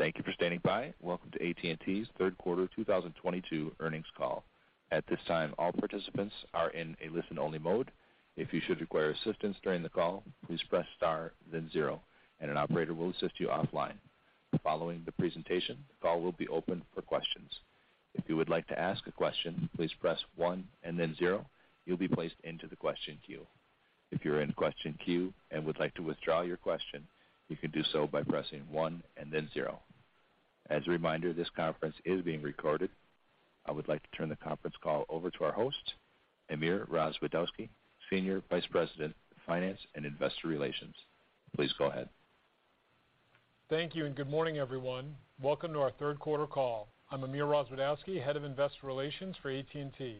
Thank you for standing by. Welcome to AT&T's third quarter 2022 earnings call. At this time, all participants are in a listen-only mode. If you should require assistance during the call, please press star, then zero and an operator will assist you offline. Following the presentation, the call will be open for questions. If you would like to ask a question, please press one and then zero. You'll be placed into the question queue. If you're in question queue and would like to withdraw your question, you can do so by pressing one and then zero. As a reminder, this conference is being recorded. I would like to turn the conference call over to our host, Amir Rozwadowski, Senior Vice President of Finance and Investor Relations. Please go ahead. Thank you and good morning, everyone. Welcome to our third quarter call. I'm Amir Rozwadowski, Head of Investor Relations for AT&T.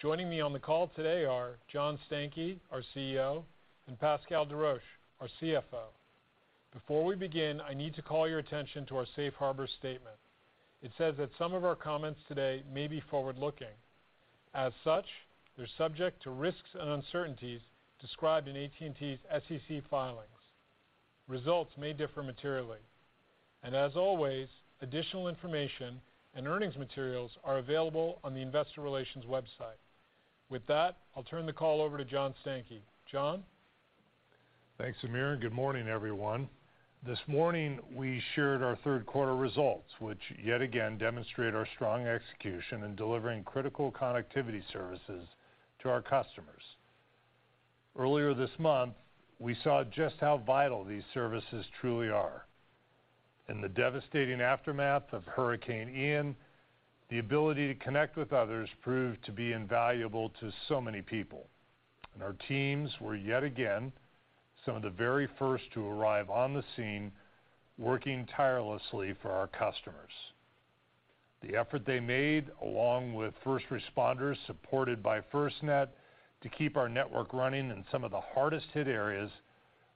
Joining me on the call today are John Stankey, our CEO, and Pascal Desroches, our CFO. Before we begin, I need to call your attention to our Safe Harbor statement. It says that some of our comments today may be forward-looking. As such, they're subject to risks and uncertainties described in AT&T's SEC filings. Results may differ materially. As always, additional information and earnings materials are available on the investor relations website. With that, I'll turn the call over to John Stankey. John? Thanks, Amir, and good morning, everyone. This morning, we shared our third quarter results, which yet again demonstrate our strong execution in delivering critical connectivity services to our customers. Earlier this month, we saw just how vital these services truly are. In the devastating aftermath of Hurricane Ian, the ability to connect with others proved to be invaluable to so many people, and our teams were yet again some of the very first to arrive on the scene, working tirelessly for our customers. The effort they made, along with first responders supported by FirstNet to keep our network running in some of the hardest hit areas,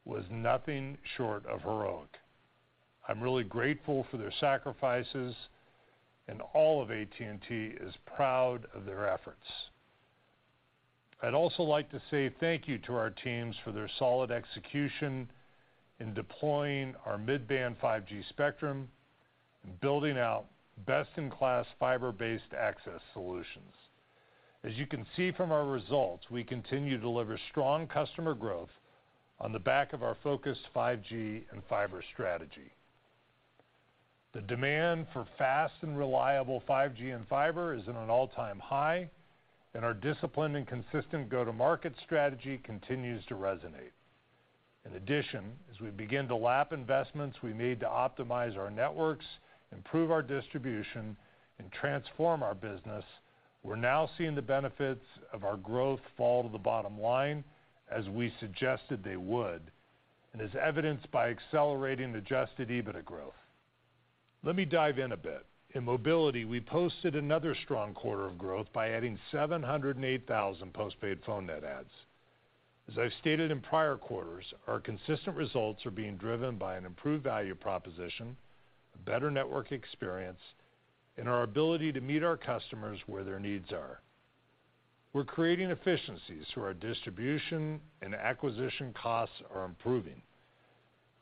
was nothing short of heroic. I'm really grateful for their sacrifices, and all of AT&T is proud of their efforts. I'd also like to say thank you to our teams for their solid execution in deploying our mid-band 5G spectrum and building out best-in-class fiber-based access solutions. As you can see from our results, we continue to deliver strong customer growth on the back of our focused 5G and fiber strategy. The demand for fast and reliable 5G and fiber is at an all-time high, and our disciplined and consistent go-to-market strategy continues to resonate. In addition, as we begin to lap investments we made to optimize our networks, improve our distribution, and transform our business, we're now seeing the benefits of our growth fall to the bottom line as we suggested they would and as evidenced by accelerating adjusted EBITDA growth. Let me dive in a bit. In mobility, we posted another strong quarter of growth by adding 708,000 postpaid phone net adds. As I've stated in prior quarters, our consistent results are being driven by an improved value proposition, a better network experience, and our ability to meet our customers where their needs are. We're creating efficiencies through our distribution and acquisition costs are improving.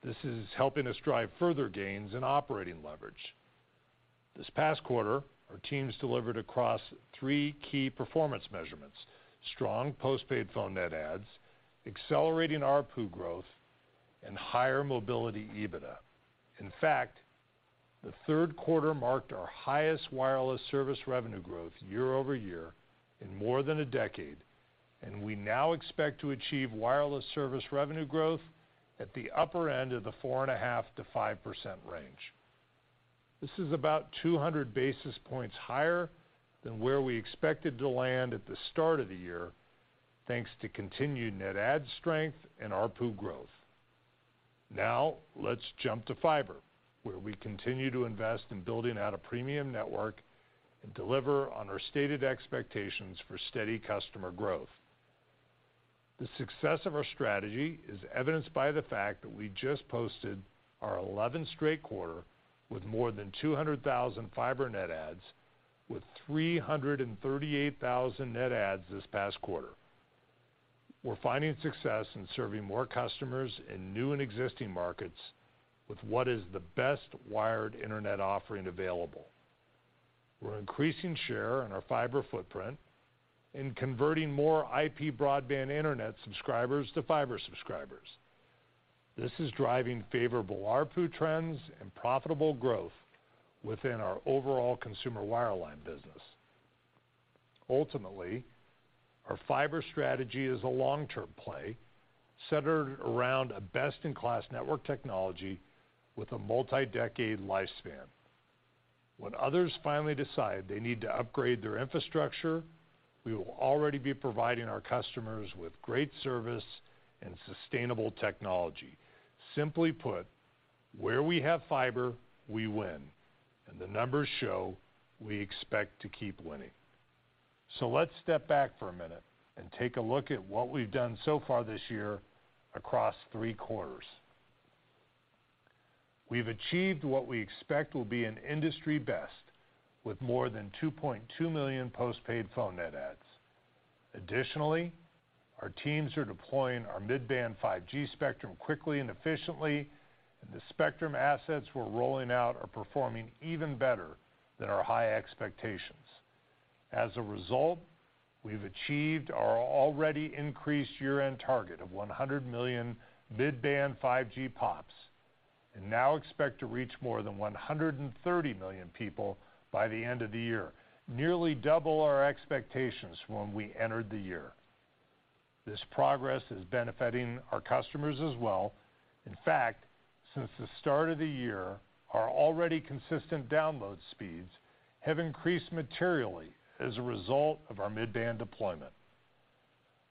This is helping us drive further gains in operating leverage. This past quarter, our teams delivered across three key performance measurements, strong postpaid phone net adds, accelerating ARPU growth, and higher mobility EBITDA. In fact, the third quarter marked our highest wireless service revenue growth year-over-year in more than a decade, and we now expect to achieve wireless service revenue growth at the upper end of the 4.5%-5% range. This is about 200 basis points higher than where we expected to land at the start of the year, thanks to continued net add strength and ARPU growth. Now, let's jump to fiber, where we continue to invest in building out a premium network and deliver on our stated expectations for steady customer growth. The success of our strategy is evidenced by the fact that we just posted our 11th straight quarter with more than 200,000 fiber net adds, with 338,000 net adds this past quarter. We're finding success in serving more customers in new and existing markets with what is the best wired internet offering available. We're increasing share in our fiber footprint and converting more IP broadband internet subscribers to fiber subscribers. This is driving favorable ARPU trends and profitable growth within our overall Consumer Wireline business. Ultimately, our fiber strategy is a long-term play centered around a best-in-class network technology with a multi-decade lifespan. When others finally decide they need to upgrade their infrastructure, we will already be providing our customers with great service and sustainable technology. Simply put, where we have fiber, we win, and the numbers show we expect to keep winning. Let's step back for a minute and take a look at what we've done so far this year across three quarters. We've achieved what we expect will be an industry best with more than 2.2 million postpaid phone net adds. Additionally, our teams are deploying our mid-band 5G spectrum quickly and efficiently, and the spectrum assets we're rolling out are performing even better than our high expectations. As a result, we've achieved our already increased year-end target of 100 million mid-band 5G POPs, and now expect to reach more than 130 million people by the end of the year, nearly double our expectations when we entered the year. This progress is benefiting our customers as well. In fact, since the start of the year, our already consistent download speeds have increased materially as a result of our mid-band deployment.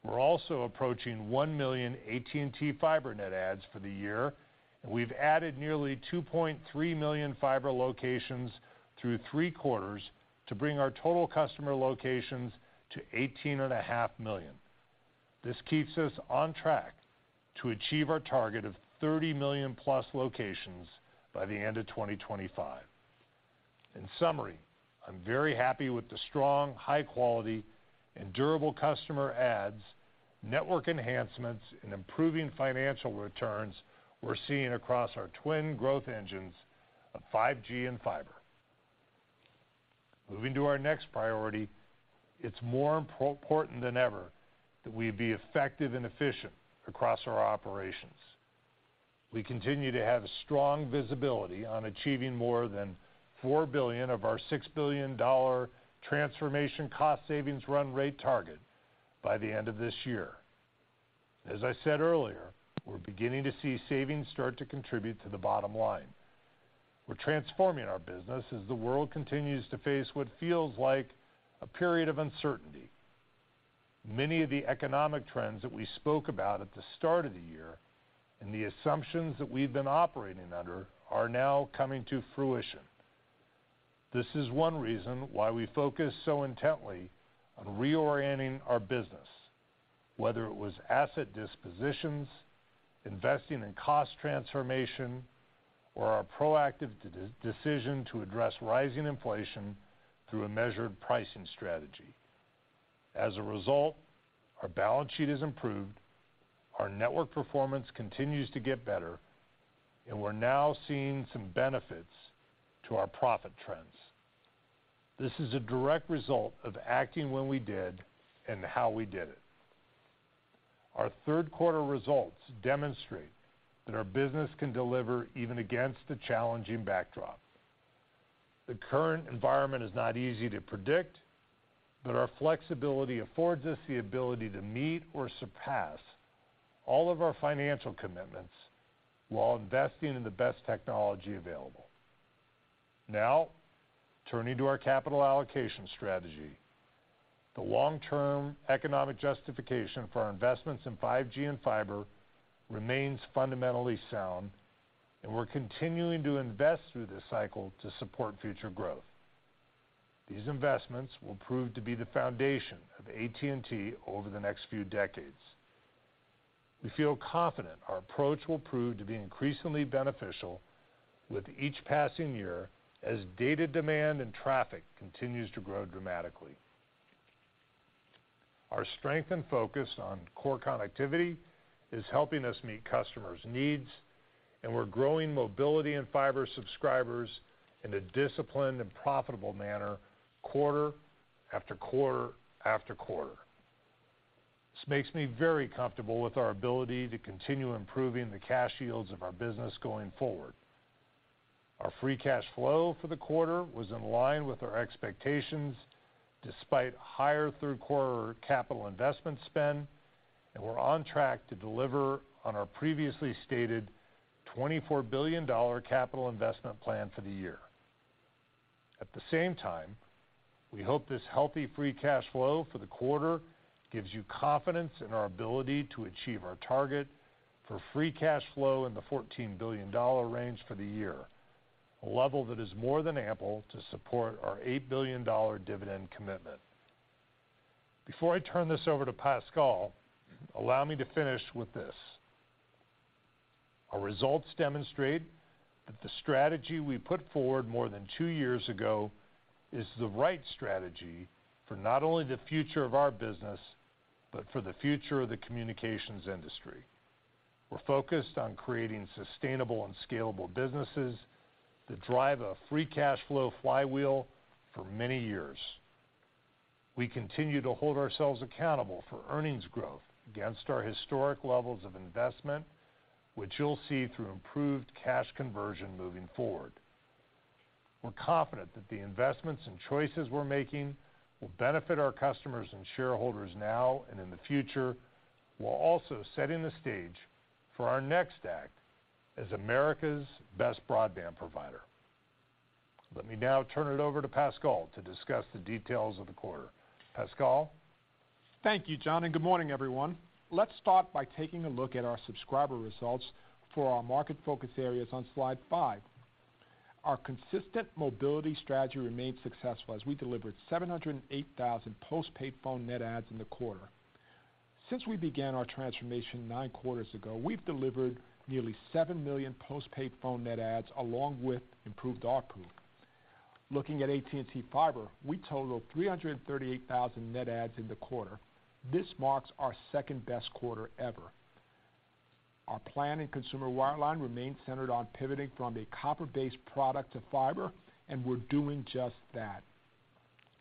We're also approaching 1 million AT&T Fiber net adds for the year, and we've added nearly 2.3 million fiber locations through three quarters to bring our total customer locations to 18.5 million. This keeps us on track to achieve our target of 30 million-plus locations by the end of 2025. In summary, I'm very happy with the strong, high-quality, and durable customer adds, network enhancements, and improving financial returns we're seeing across our twin growth engines of 5G and fiber. Moving to our next priority, it's more important than ever that we be effective and efficient across our operations. We continue to have strong visibility on achieving more than $4 billion of our $6 billion transformation cost savings run rate target by the end of this year. As I said earlier, we're beginning to see savings start to contribute to the bottom line. We're transforming our business as the world continues to face what feels like a period of uncertainty. Many of the economic trends that we spoke about at the start of the year and the assumptions that we've been operating under are now coming to fruition. This is one reason why we focus so intently on reorienting our business, whether it was asset dispositions, investing in cost transformation, or our proactive decision to address rising inflation through a measured pricing strategy. As a result, our balance sheet has improved, our network performance continues to get better, and we're now seeing some benefits to our profit trends. This is a direct result of acting when we did and how we did it. Our third quarter results demonstrate that our business can deliver even against a challenging backdrop. The current environment is not easy to predict, but our flexibility affords us the ability to meet or surpass all of our financial commitments while investing in the best technology available. Now, turning to our capital allocation strategy. The long-term economic justification for our investments in 5G and fiber remains fundamentally sound, and we're continuing to invest through this cycle to support future growth. These investments will prove to be the foundation of AT&T over the next few decades. We feel confident our approach will prove to be increasingly beneficial with each passing year as data demand and traffic continues to grow dramatically. Our strength and focus on core connectivity is helping us meet customers' needs, and we're growing mobility in fiber subscribers in a disciplined and profitable manner quarter after quarter after quarter. This makes me very comfortable with our ability to continue improving the cash yields of our business going forward. Our free cash flow for the quarter was in line with our expectations, despite higher third-quarter capital investment spend, and we're on track to deliver on our previously stated $24 billion capital investment plan for the year. At the same time, we hope this healthy free cash flow for the quarter gives you confidence in our ability to achieve our target for free cash flow in the $14 billion range for the year, a level that is more than ample to support our $8 billion dividend commitment. Before I turn this over to Pascal, allow me to finish with this. Our results demonstrate that the strategy we put forward more than two years ago is the right strategy for not only the future of our business but for the future of the communications industry. We're focused on creating sustainable and scalable businesses that drive a free cash flow flywheel for many years. We continue to hold ourselves accountable for earnings growth against our historic levels of investment, which you'll see through improved cash conversion moving forward. We're confident that the investments and choices we're making will benefit our customers and shareholders now and in the future, while also setting the stage for our next act as America's best broadband provider. Let me now turn it over to Pascal to discuss the details of the quarter. Pascal? Thank you, John, and good morning, everyone. Let's start by taking a look at our subscriber results for our market focus areas on slide five. Our consistent mobility strategy remained successful as we delivered 708,000 postpaid phone net adds in the quarter. Since we began our transformation nine quarters ago, we've delivered nearly 7 million postpaid phone net adds along with improved ARPU. Looking at AT&T Fiber, we totaled 338,000 net adds in the quarter. This marks our second-best quarter ever. Our plan in Consumer Wireline remains centered on pivoting from a copper-based product to fiber, and we're doing just that.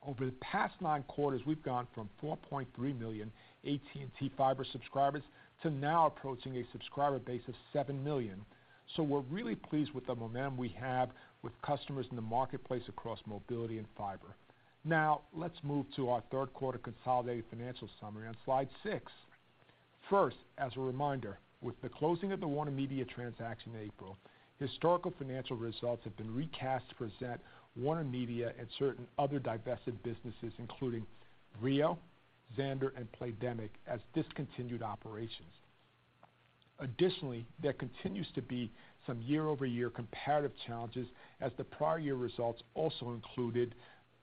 Over the past nine quarters, we've gone from 4.3 million AT&T Fiber subscribers to now approaching a subscriber base of 7 million. We're really pleased with the momentum we have with customers in the marketplace across mobility and fiber. Now, let's move to our third quarter consolidated financial summary on slide six. First, as a reminder, with the closing of the WarnerMedia transaction in April, historical financial results have been recast to present WarnerMedia and certain other divested businesses, including Vrio, Xandr, and Playdemic, as discontinued operations. Additionally, there continues to be some year-over-year comparative challenges, as the prior year results also included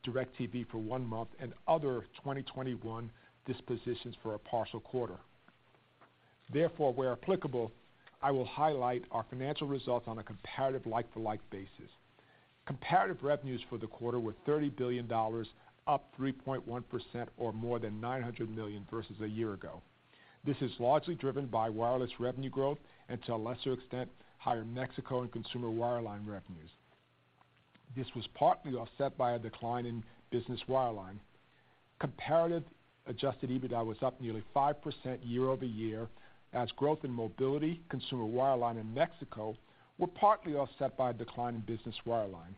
DIRECTV for one month and other 2021 dispositions for a partial quarter. Therefore, where applicable, I will highlight our financial results on a comparative like-for-like basis. Comparative revenues for the quarter were $30 billion, up 3.1% or more than $900 million versus a year ago. This is largely driven by wireless revenue growth and to a lesser extent, higher Mexico and Consumer Wireline revenues. This was partly offset by a decline in Business Wireline. Comparative adjusted EBITDA was up nearly 5% year-over-year as growth in mobility, Consumer Wireline in Mexico were partly offset by a decline in Business Wireline.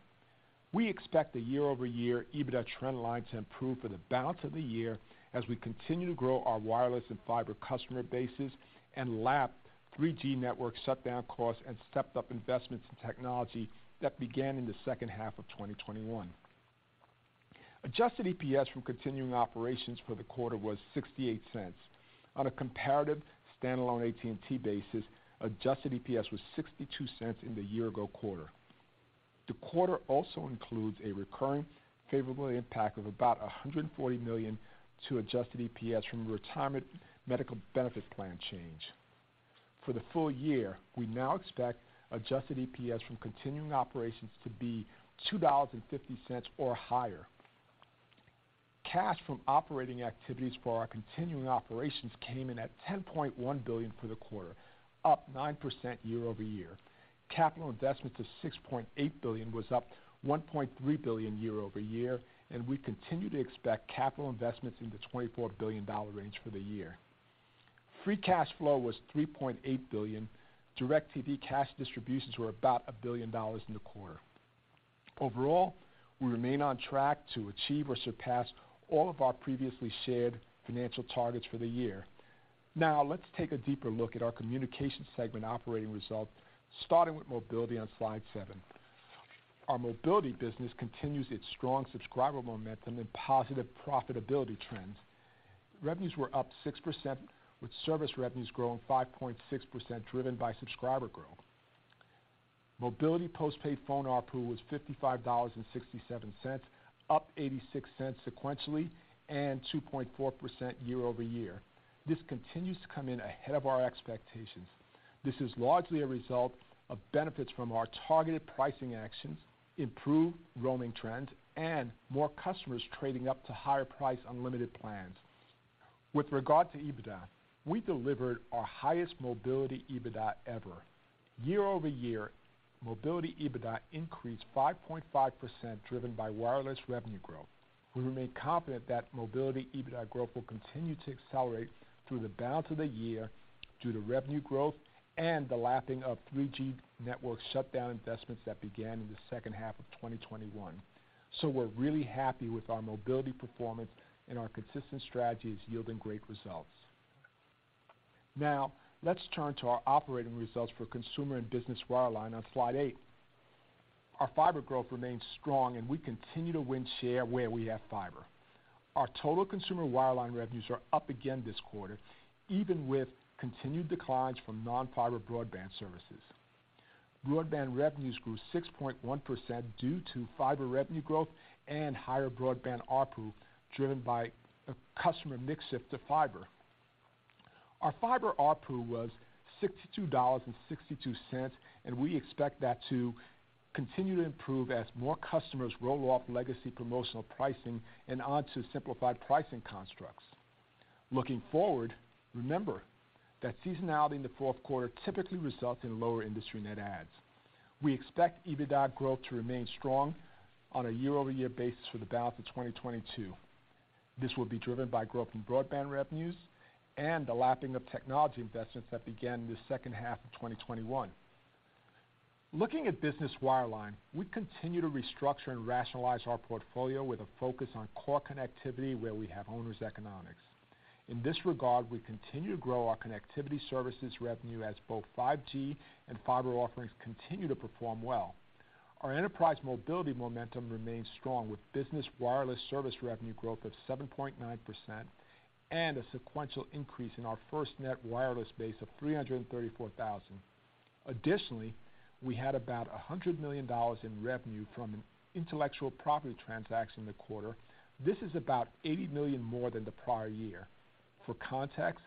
We expect the year-over-year EBITDA trend line to improve for the balance of the year as we continue to grow our wireless and fiber customer bases and lap 3G network shutdown costs and stepped-up investments in technology that began in the second half of 2021. Adjusted EPS from continuing operations for the quarter was $0.68. On a comparative standalone AT&T basis, adjusted EPS was $0.62 in the year-ago quarter. The quarter also includes a recurring favorable impact of about $140 million to adjusted EPS from retirement medical benefits plan change. For the full year, we now expect adjusted EPS from continuing operations to be $2.50 or higher. Cash from operating activities for our continuing operations came in at $10.1 billion for the quarter, up 9% year-over-year. Capital investment of $6.8 billion was up $1.3 billion year-over-year, and we continue to expect capital investments in the $24 billion range for the year. Free cash flow was $3.8 billion. DIRECTV cash distributions were about $1 billion in the quarter. Overall, we remain on track to achieve or surpass all of our previously shared financial targets for the year. Now, let's take a deeper look at our communication segment operating results, starting with mobility on slide seven. Our mobility business continues its strong subscriber momentum and positive profitability trends. Revenues were up 6%, with service revenues growing 5.6%, driven by subscriber growth. Mobility Postpaid Phone ARPU was $55.67, up $0.86 sequentially and 2.4% year-over-year. This continues to come in ahead of our expectations. This is largely a result of benefits from our targeted pricing actions, improved roaming trends, and more customers trading up to higher price unlimited plans. With regard to EBITDA, we delivered our highest mobility EBITDA ever. Year-over-year, mobility EBITDA increased 5.5%, driven by wireless revenue growth. We remain confident that mobility EBITDA growth will continue to accelerate through the balance of the year due to revenue growth and the lapping of 3G network shutdown investments that began in the second half of 2021. We're really happy with our mobility performance, and our consistent strategy is yielding great results. Now, let's turn to our operating results for Consumer and Business Wireline on slide eight. Our fiber growth remains strong, and we continue to win share where we have fiber. Our total Consumer Wireline revenues are up again this quarter, even with continued declines from non-fiber broadband services. Broadband revenues grew 6.1% due to fiber revenue growth and higher broadband ARPU, driven by a customer mix shift to fiber. Our Fiber ARPU was $62.62, and we expect that to continue to improve as more customers roll off legacy promotional pricing and onto simplified pricing constructs. Looking forward, remember that seasonality in the fourth quarter typically results in lower industry net adds. We expect EBITDA growth to remain strong on a year-over-year basis for the balance of 2022. This will be driven by growth in broadband revenues and the lapping of technology investments that began in the second half of 2021. Looking at Business Wireline, we continue to restructure and rationalize our portfolio with a focus on core connectivity where we have owners' economics. In this regard, we continue to grow our connectivity services revenue as both 5G and fiber offerings continue to perform well. Our enterprise mobility momentum remains strong with Business Wireless service revenue growth of 7.9% and a sequential increase in our FirstNet wireless base of 334,000. Additionally, we had about $100 million in revenue from an intellectual property transaction in the quarter. This is about $80 million more than the prior year. For context,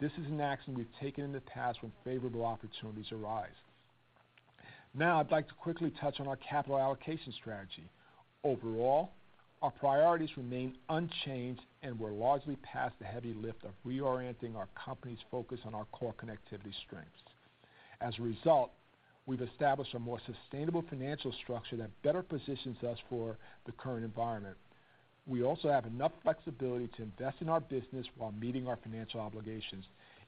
this is an action we've taken in the past when favorable opportunities arise. Now I'd like to quickly touch on our capital allocation strategy. Overall, our priorities remain unchanged, and we're largely past the heavy lift of reorienting our company's focus on our core connectivity strengths. As a result, we've established a more sustainable financial structure that better positions us for the current environment. We also have enough flexibility to invest in our business while meeting our financial obligations.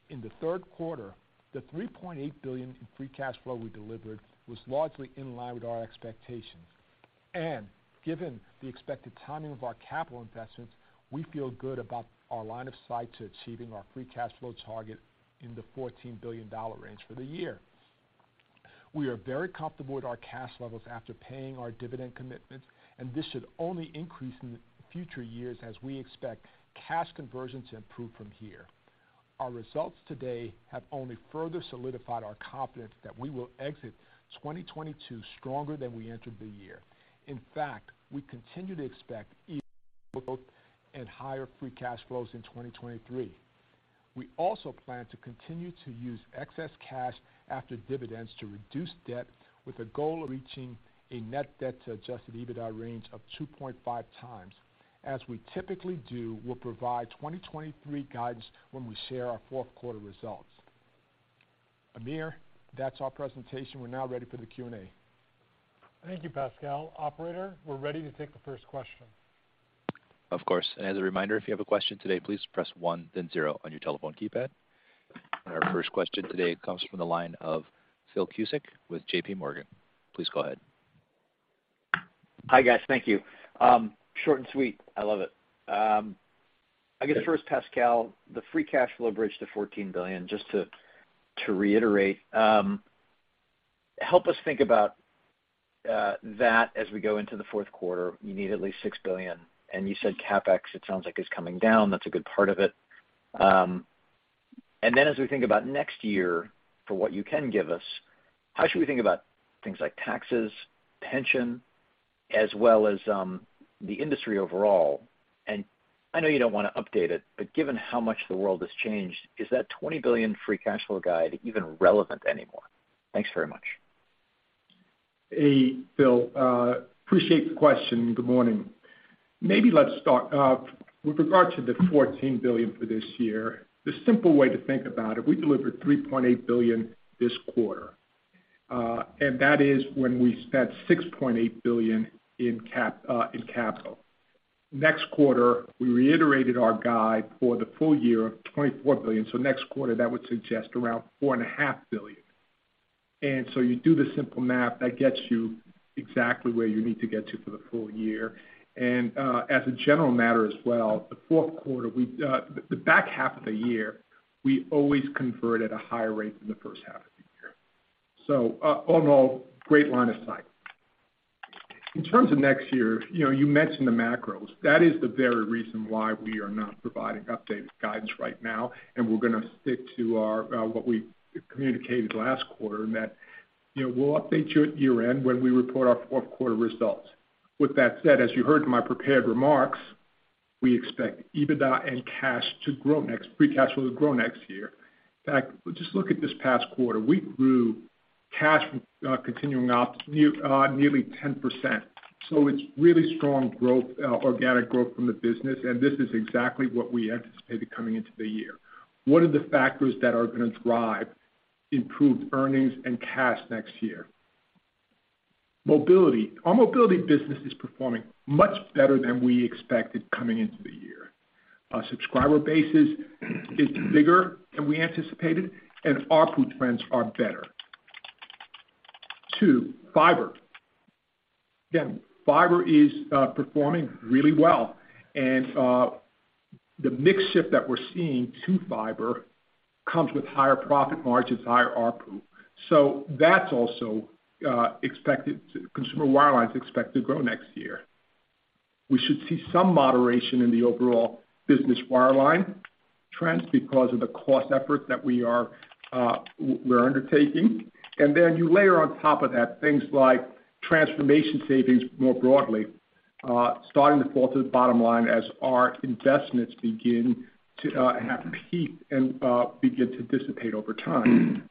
In the third quarter, the $3.8 billion in free cash flow we delivered was largely in line with our expectations. Given the expected timing of our capital investments, we feel good about our line of sight to achieving our free cash flow target in the $14 billion range for the year. We are very comfortable with our cash levels after paying our dividend commitments, and this should only increase in the future years as we expect cash conversion to improve from here. Our results today have only further solidified our confidence that we will exit 2022 stronger than we entered the year. In fact, we continue to expect EBITDA growth and higher free cash flows in 2023. We also plan to continue to use excess cash after dividends to reduce debt with a goal of reaching a net debt to adjusted EBITDA range of 2.5x. As we typically do, we'll provide 2023 guidance when we share our fourth quarter results. Amir, that's our presentation. We're now ready for the Q&A. Thank you, Pascal. Operator, we're ready to take the first question. Of course. As a reminder, if you have a question today, please press one then zero on your telephone keypad. Our first question today comes from the line of Phil Cusick with JPMorgan. Please go ahead. Hi, guys. Thank you. Short and sweet. I love it. I guess first, Pascal, the free cash flow bridge to $14 billion, just to reiterate, help us think about that as we go into the fourth quarter, you need at least $6 billion. You said CapEx, it sounds like is coming down. That's a good part of it. Then as we think about next year for what you can give us, how should we think about things like taxes, pension, as well as the industry overall? I know you don't wanna update it, but given how much the world has changed, is that $20 billion free cash flow guide even relevant anymore? Thanks very much. Hey, Phil. Appreciate the question. Good morning. Maybe let's start with regard to the $14 billion for this year. The simple way to think about it, we delivered $3.8 billion this quarter, and that is when we spent $6.8 billion in capital. Next quarter, we reiterated our guide for the full year of $24 billion. Next quarter, that would suggest around $4.5 billion. You do the simple math, that gets you exactly where you need to get to for the full year. As a general matter as well, the fourth quarter, the back half of the year, we always convert at a higher rate than the first half of the year. All in all, great line of sight. In terms of next year, you know, you mentioned the macros. That is the very reason why we are not providing updated guidance right now, and we're gonna stick to what we communicated last quarter and that, you know, we'll update you at year-end when we report our fourth quarter results. With that said, as you heard in my prepared remarks, we expect EBITDA and cash flow to grow, free cash flow to grow next year. In fact, just look at this past quarter, we grew cash flow from continuing ops nearly 10%. It's really strong growth, organic growth from the business, and this is exactly what we anticipated coming into the year. What are the factors that are gonna drive improved earnings and cash flow next year? Mobility. Our mobility business is performing much better than we expected coming into the year. Our subscriber bases is bigger than we anticipated, and ARPU trends are better. Two, fiber. Again, fiber is performing really well. The mix shift that we're seeing to fiber comes with higher profit margins, higher ARPU. That's also consumer wireline is expected to grow next year. We should see some moderation in the overall Business Wireline trends because of the cost efforts that we're undertaking. Then you layer on top of that things like transformation savings more broadly starting to fall to the bottom line as our investments begin to have peaked and begin to dissipate over time.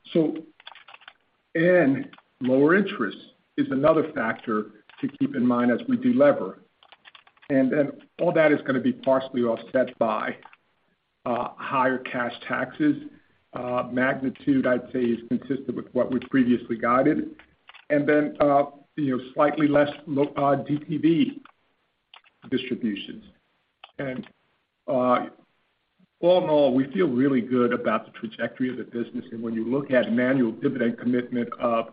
Lower interest is another factor to keep in mind as we delever. All that is gonna be partially offset by higher cash taxes. Magnitude, I'd say, is consistent with what we've previously guided. You know, slightly less DTV distributions. All in all, we feel really good about the trajectory of the business. When you look at an annual dividend commitment of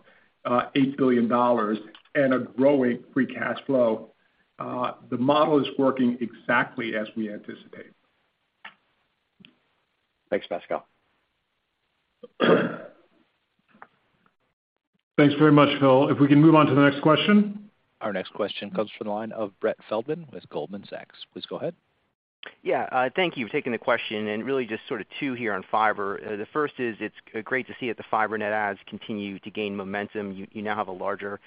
$8 billion and a growing free cash flow, the model is working exactly as we anticipate. Thanks, Pascal. Thanks very much, Phil. If we can move on to the next question. Our next question comes from the line of Brett Feldman with Goldman Sachs. Please go ahead. Yeah, thank you for taking the question and really just sort of two here on fiber. The first is it's great to see that the fiber net adds continue to gain momentum. You now have a larger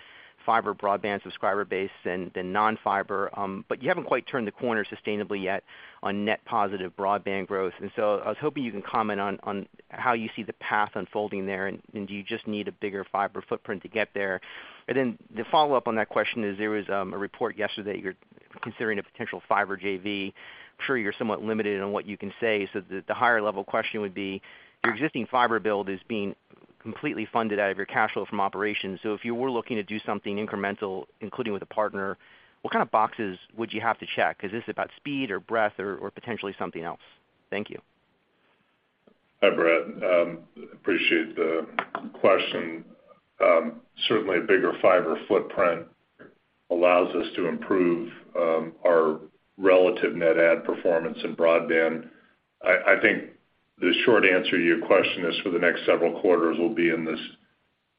fiber broadband subscriber base than non-fiber, but you haven't quite turned the corner sustainably yet on net positive broadband growth. I was hoping you can comment on how you see the path unfolding there, and do you just need a bigger fiber footprint to get there? The follow-up on that question is, there was a report yesterday you're considering a potential fiber JV. I'm sure you're somewhat limited on what you can say. The higher level question would be, your existing fiber build is being completely funded out of your cash flow from operations. If you were looking to do something incremental, including with a partner, what kind of boxes would you have to check? Is this about speed or breadth or potentially something else? Thank you. Hi, Brett. Appreciate the question. Certainly a bigger fiber footprint allows us to improve our relative net add performance in broadband. I think the short answer to your question is for the next several quarters will be in this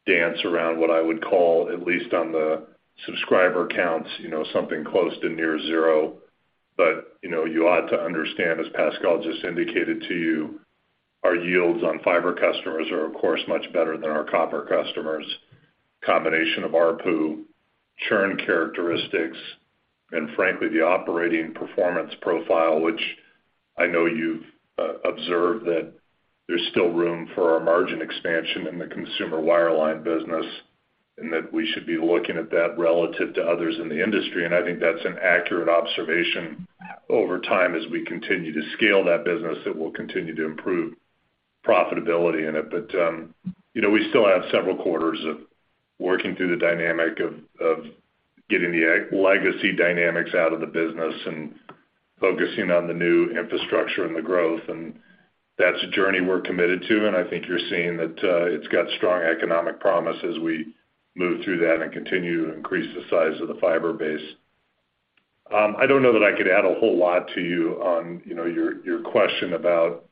dance around what I would call, at least on the subscriber counts, you know, something close to near zero. You know, you ought to understand, as Pascal just indicated to you, our yields on fiber customers are of course much better than our copper customers. Combination of ARPU, churn characteristics and frankly, the operating performance profile, which I know you've observed that there's still room for our margin expansion in the Consumer Wireline business, and that we should be looking at that relative to others in the industry. I think that's an accurate observation over time as we continue to scale that business, it will continue to improve profitability in it. But you know, we still have several quarters of working through the dynamic of getting the legacy dynamics out of the business and focusing on the new infrastructure and the growth. That's a journey we're committed to, and I think you're seeing that, it's got strong economic promise as we move through that and continue to increase the size of the fiber base. I don't know that I could add a whole lot to you on, you know, your question about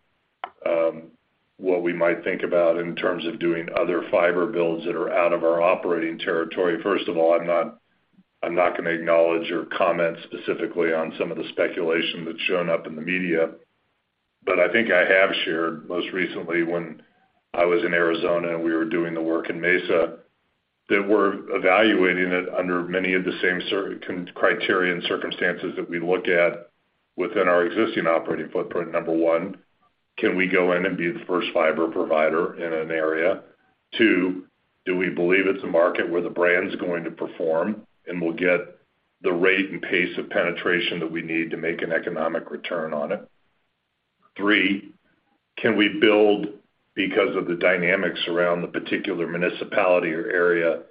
what we might think about in terms of doing other fiber builds that are out of our operating territory. First of all, I'm not gonna acknowledge or comment specifically on some of the speculation that's shown up in the media. I think I have shared most recently when I was in Arizona, and we were doing the work in Mesa, that we're evaluating it under many of the same criteria and circumstances that we look at within our existing operating footprint. Number one, can we go in and be the first fiber provider in an area? Two, do we believe it's a market where the brand's going to perform, and we'll get the rate and pace of penetration that we need to make an economic return on it? Three, can we build because of the dynamics around the particular municipality or area,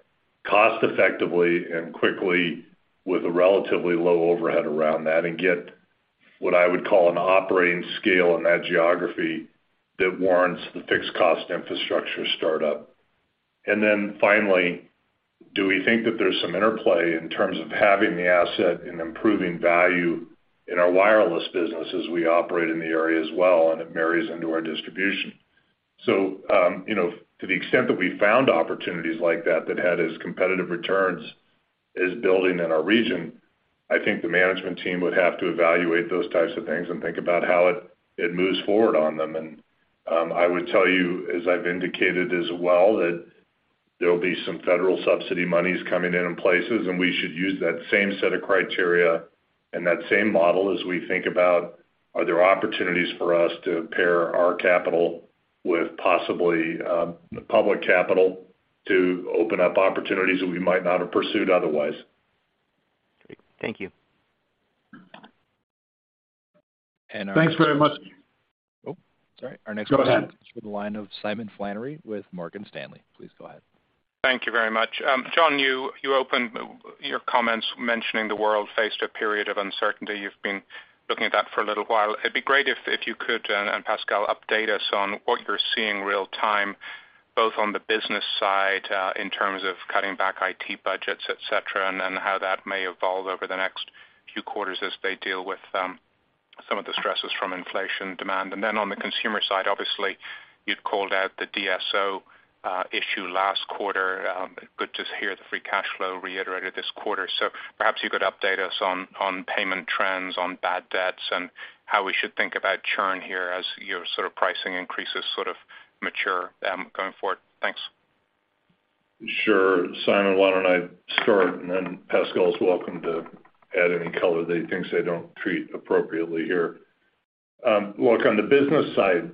cost effectively and quickly with a relatively low overhead around that and get what I would call an operating scale in that geography that warrants the fixed cost infrastructure startup. Then finally, do we think that there's some interplay in terms of having the asset and improving value in our wireless business as we operate in the area as well and it marries into our distribution. You know, to the extent that we found opportunities like that had as competitive returns as building in our region, I think the management team would have to evaluate those types of things and think about how it moves forward on them. I would tell you, as I've indicated as well, that there'll be some federal subsidy monies coming in in places, and we should use that same set of criteria and that same model as we think about are there opportunities for us to pair our capital with possibly public capital to open up opportunities that we might not have pursued otherwise. Thank you. Thanks very much. Oh, sorry. Our next one. Go ahead. It's from the line of Simon Flannery with Morgan Stanley. Please go ahead. Thank you very much. John, you opened your comments mentioning the world faced a period of uncertainty. You've been looking at that for a little while. It'd be great if you could, and Pascal, update us on what you're seeing real time, both on the business side, in terms of cutting back IT budgets, et cetera, and then how that may evolve over the next few quarters as they deal with some of the stresses from inflation demand. Then on the consumer side, obviously, you'd called out the DSO issue last quarter. Good to hear the free cash flow reiterated this quarter. Perhaps you could update us on payment trends, on bad debts and how we should think about churn here as your sort of pricing increases sort of mature, going forward. Thanks. Sure. Simon, why don't I start and then Pascal is welcome to add any color that he thinks I don't treat appropriately here. Look, on the business side,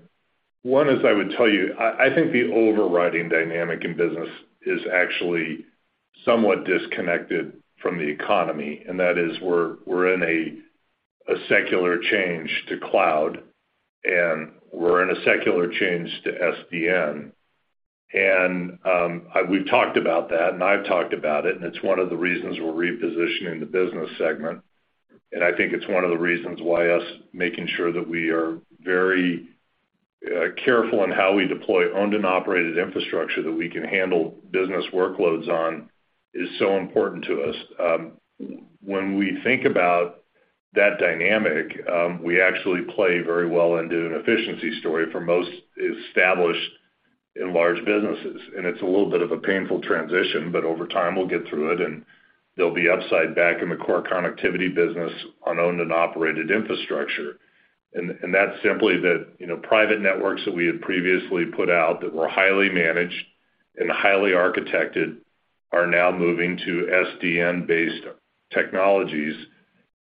one is I would tell you, I think the overriding dynamic in business is actually somewhat disconnected from the economy, and that is we're in a secular change to cloud, and we're in a secular change to SDN. We've talked about that, and I've talked about it, and it's one of the reasons we're repositioning the business segment. I think it's one of the reasons why us making sure that we are very careful in how we deploy owned and operated infrastructure that we can handle business workloads on is so important to us. When we think about that dynamic, we actually play very well into an efficiency story for most established in large businesses. It's a little bit of a painful transition, but over time, we'll get through it, and there'll be upside back in the core connectivity business on owned and operated infrastructure. That's simply that, you know, private networks that we had previously put out that were highly managed and highly architected are now moving to SDN-based technologies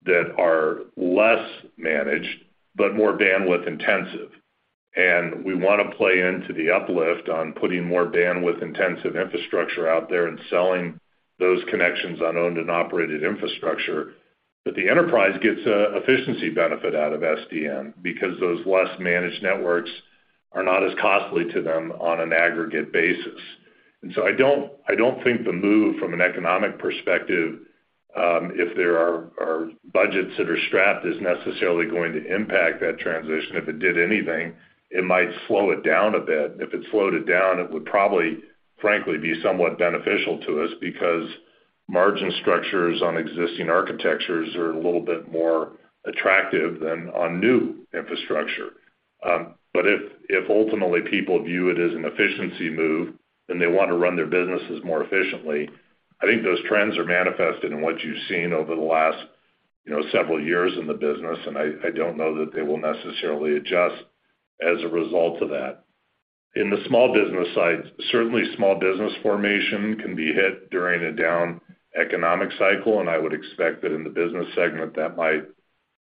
that are less managed but more bandwidth-intensive. We wanna play into the uplift on putting more bandwidth-intensive infrastructure out there and selling those connections on owned and operated infrastructure. The enterprise gets a efficiency benefit out of SDN because those less managed networks are not as costly to them on an aggregate basis. I don't think the move from an economic perspective, if there are budgets that are strapped, is necessarily going to impact that transition. If it did anything, it might slow it down a bit. If it slowed it down, it would probably, frankly, be somewhat beneficial to us because margin structures on existing architectures are a little bit more attractive than on new infrastructure. If ultimately people view it as an efficiency move and they want to run their businesses more efficiently, I think those trends are manifested in what you've seen over the last, you know, several years in the business. I don't know that they will necessarily adjust as a result of that. In the small business side, certainly small business formation can be hit during a down economic cycle, and I would expect that in the business segment, that might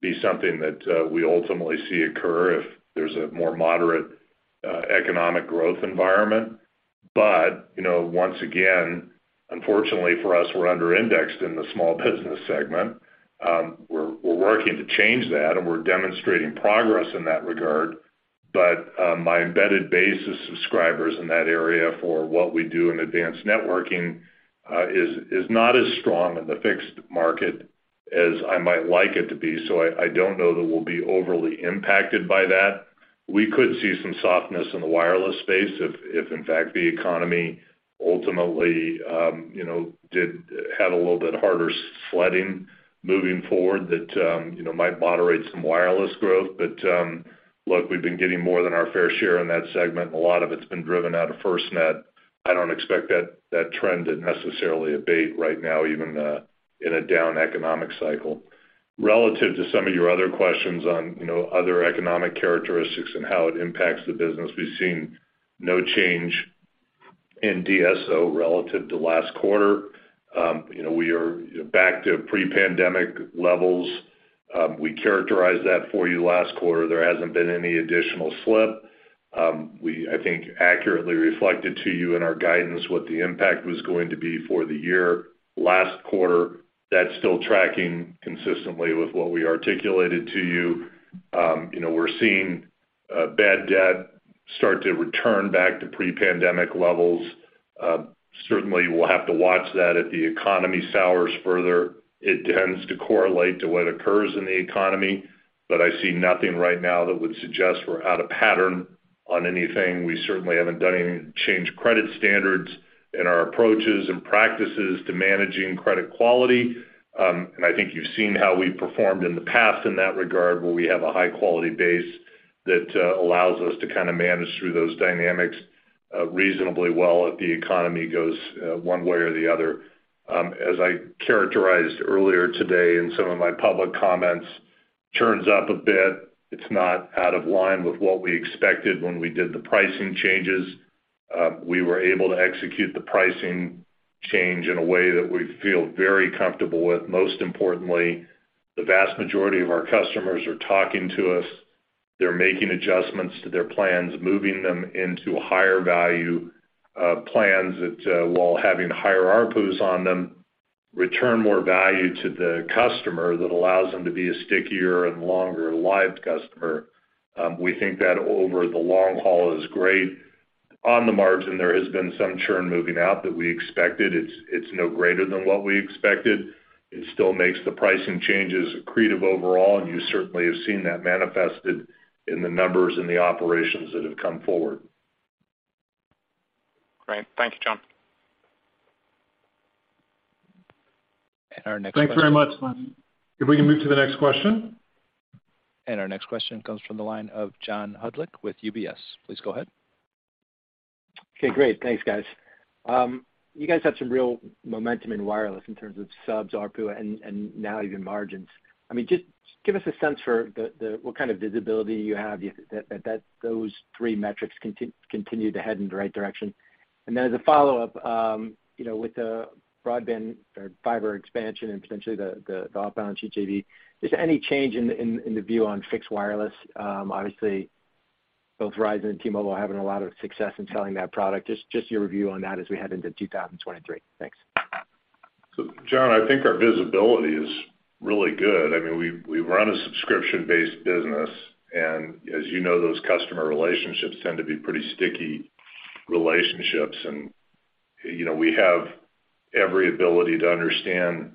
be something that we ultimately see occur if there's a more moderate economic growth environment. You know, once again, unfortunately for us, we're under-indexed in the small business segment. We're working to change that, and we're demonstrating progress in that regard. My embedded base of subscribers in that area for what we do in advanced networking is not as strong in the fixed market as I might like it to be. I don't know that we'll be overly impacted by that. We could see some softness in the wireless space if in fact the economy ultimately had a little bit harder sledding moving forward that might moderate some wireless growth. Look, we've been getting more than our fair share in that segment. A lot of it's been driven out of FirstNet. I don't expect that trend to necessarily abate right now, even in a down economic cycle. Relative to some of your other questions on other economic characteristics and how it impacts the business, we've seen no change in DSO relative to last quarter. We are back to pre-pandemic levels. We characterized that for you last quarter. There hasn't been any additional slip. We, I think, accurately reflected to you in our guidance what the impact was going to be for the year. Last quarter, that's still tracking consistently with what we articulated to you. You know, we're seeing bad debt start to return back to pre-pandemic levels. Certainly we'll have to watch that if the economy sours further. It tends to correlate to what occurs in the economy, but I see nothing right now that would suggest we're out of pattern on anything. We certainly haven't done any change credit standards in our approaches and practices to managing credit quality. I think you've seen how we've performed in the past in that regard, where we have a high-quality base that allows us to kind of manage through those dynamics reasonably well if the economy goes one way or the other. As I characterized earlier today in some of my public comments, churn's up a bit. It's not out of line with what we expected when we did the pricing changes. We were able to execute the pricing change in a way that we feel very comfortable with. Most importantly, the vast majority of our customers are talking to us. They're making adjustments to their plans, moving them into higher value, plans that while having higher ARPU on them, return more value to the customer that allows them to be a stickier and longer-lived customer. We think that over the long haul is great. On the margin, there has been some churn moving out that we expected. It's no greater than what we expected. It still makes the pricing changes accretive overall, and you certainly have seen that manifested in the numbers and the operations that have come forward. Great. Thank you, John. Our next question. Thanks very much. If we can move to the next question. Our next question comes from the line of John Hodulik with UBS. Please go ahead. Okay, great. Thanks, guys. You guys have some real momentum in wireless in terms of subs, ARPU, and now even margins. I mean, just give us a sense for what kind of visibility you have that those three metrics continue to head in the right direction. As a follow-up, you know, with the broadband or fiber expansion and potentially the outbound JV, is there any change in the view on fixed wireless? Obviously, both Verizon and T-Mobile are having a lot of success in selling that product. Just your view on that as we head into 2023. Thanks. John, I think our visibility is really good. I mean, we run a subscription-based business, and as you know, those customer relationships tend to be pretty sticky relationships. You know, we have every ability to understand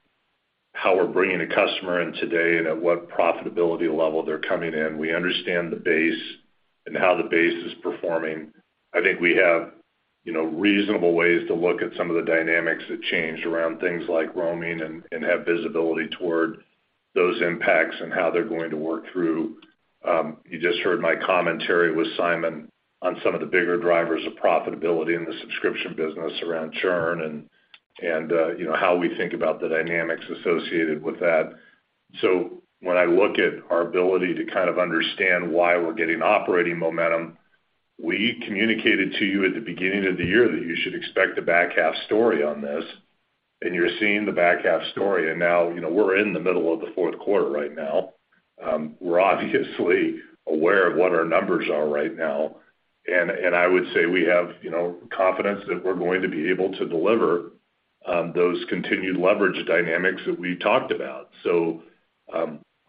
how we're bringing a customer in today and at what profitability level they're coming in. We understand the base and how the base is performing. I think we have. You know, reasonable ways to look at some of the dynamics that changed around things like roaming and have visibility toward those impacts and how they're going to work through. You just heard my commentary with Simon on some of the bigger drivers of profitability in the subscription business around churn and, you know, how we think about the dynamics associated with that. When I look at our ability to kind of understand why we're getting operating momentum, we communicated to you at the beginning of the year that you should expect a back half story on this, and you're seeing the back half story. Now, you know, we're in the middle of the fourth quarter right now. We're obviously aware of what our numbers are right now. I would say we have, you know, confidence that we're going to be able to deliver those continued leverage dynamics that we talked about.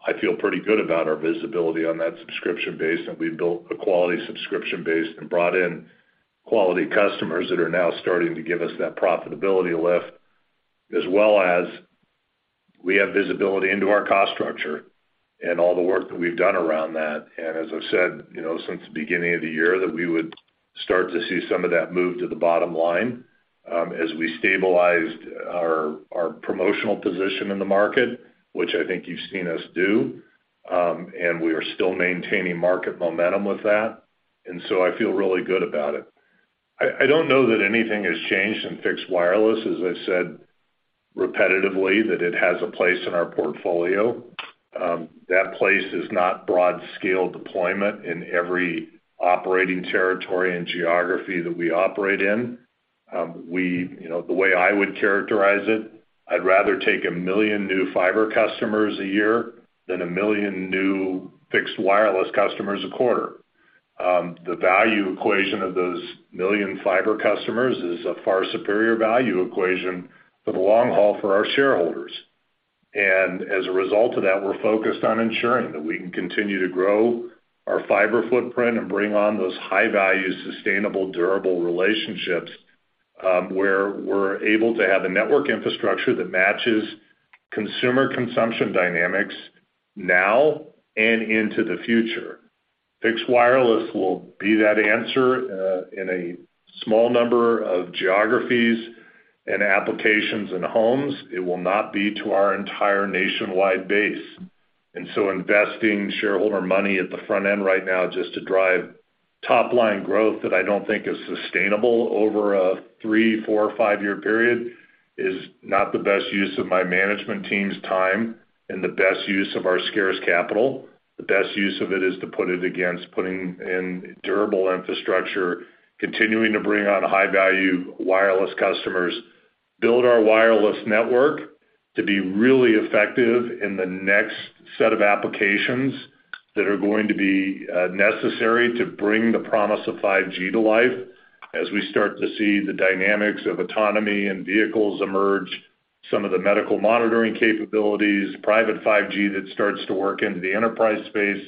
I feel pretty good about our visibility on that subscription base, and we've built a quality subscription base and brought in quality customers that are now starting to give us that profitability lift. As well as we have visibility into our cost structure and all the work that we've done around that. As I've said, you know, since the beginning of the year that we would start to see some of that move to the bottom line, as we stabilized our promotional position in the market, which I think you've seen us do. We are still maintaining market momentum with that, and so I feel really good about it. I don't know that anything has changed in fixed wireless. As I've said repetitively, that it has a place in our portfolio. That place is not broad-scale deployment in every operating territory and geography that we operate in. You know, the way I would characterize it, I'd rather take a million new fiber customers a year than a million new fixed wireless customers a quarter. The value equation of those million fiber customers is a far superior value equation for the long haul for our shareholders. As a result of that, we're focused on ensuring that we can continue to grow our fiber footprint and bring on those high-value, sustainable, durable relationships, where we're able to have a network infrastructure that matches consumer consumption dynamics now and into the future. Fixed wireless will be that answer, in a small number of geographies and applications and homes. It will not be to our entire nationwide base. Investing shareholder money at the front end right now just to drive top line growth that I don't think is sustainable over a three, four, five-year period is not the best use of my management team's time and the best use of our scarce capital. The best use of it is to put it against putting in durable infrastructure, continuing to bring on high-value wireless customers, build our wireless network to be really effective in the next set of applications that are going to be necessary to bring the promise of 5G to life as we start to see the dynamics of autonomy and vehicles emerge, some of the medical monitoring capabilities, private 5G that starts to work into the enterprise space.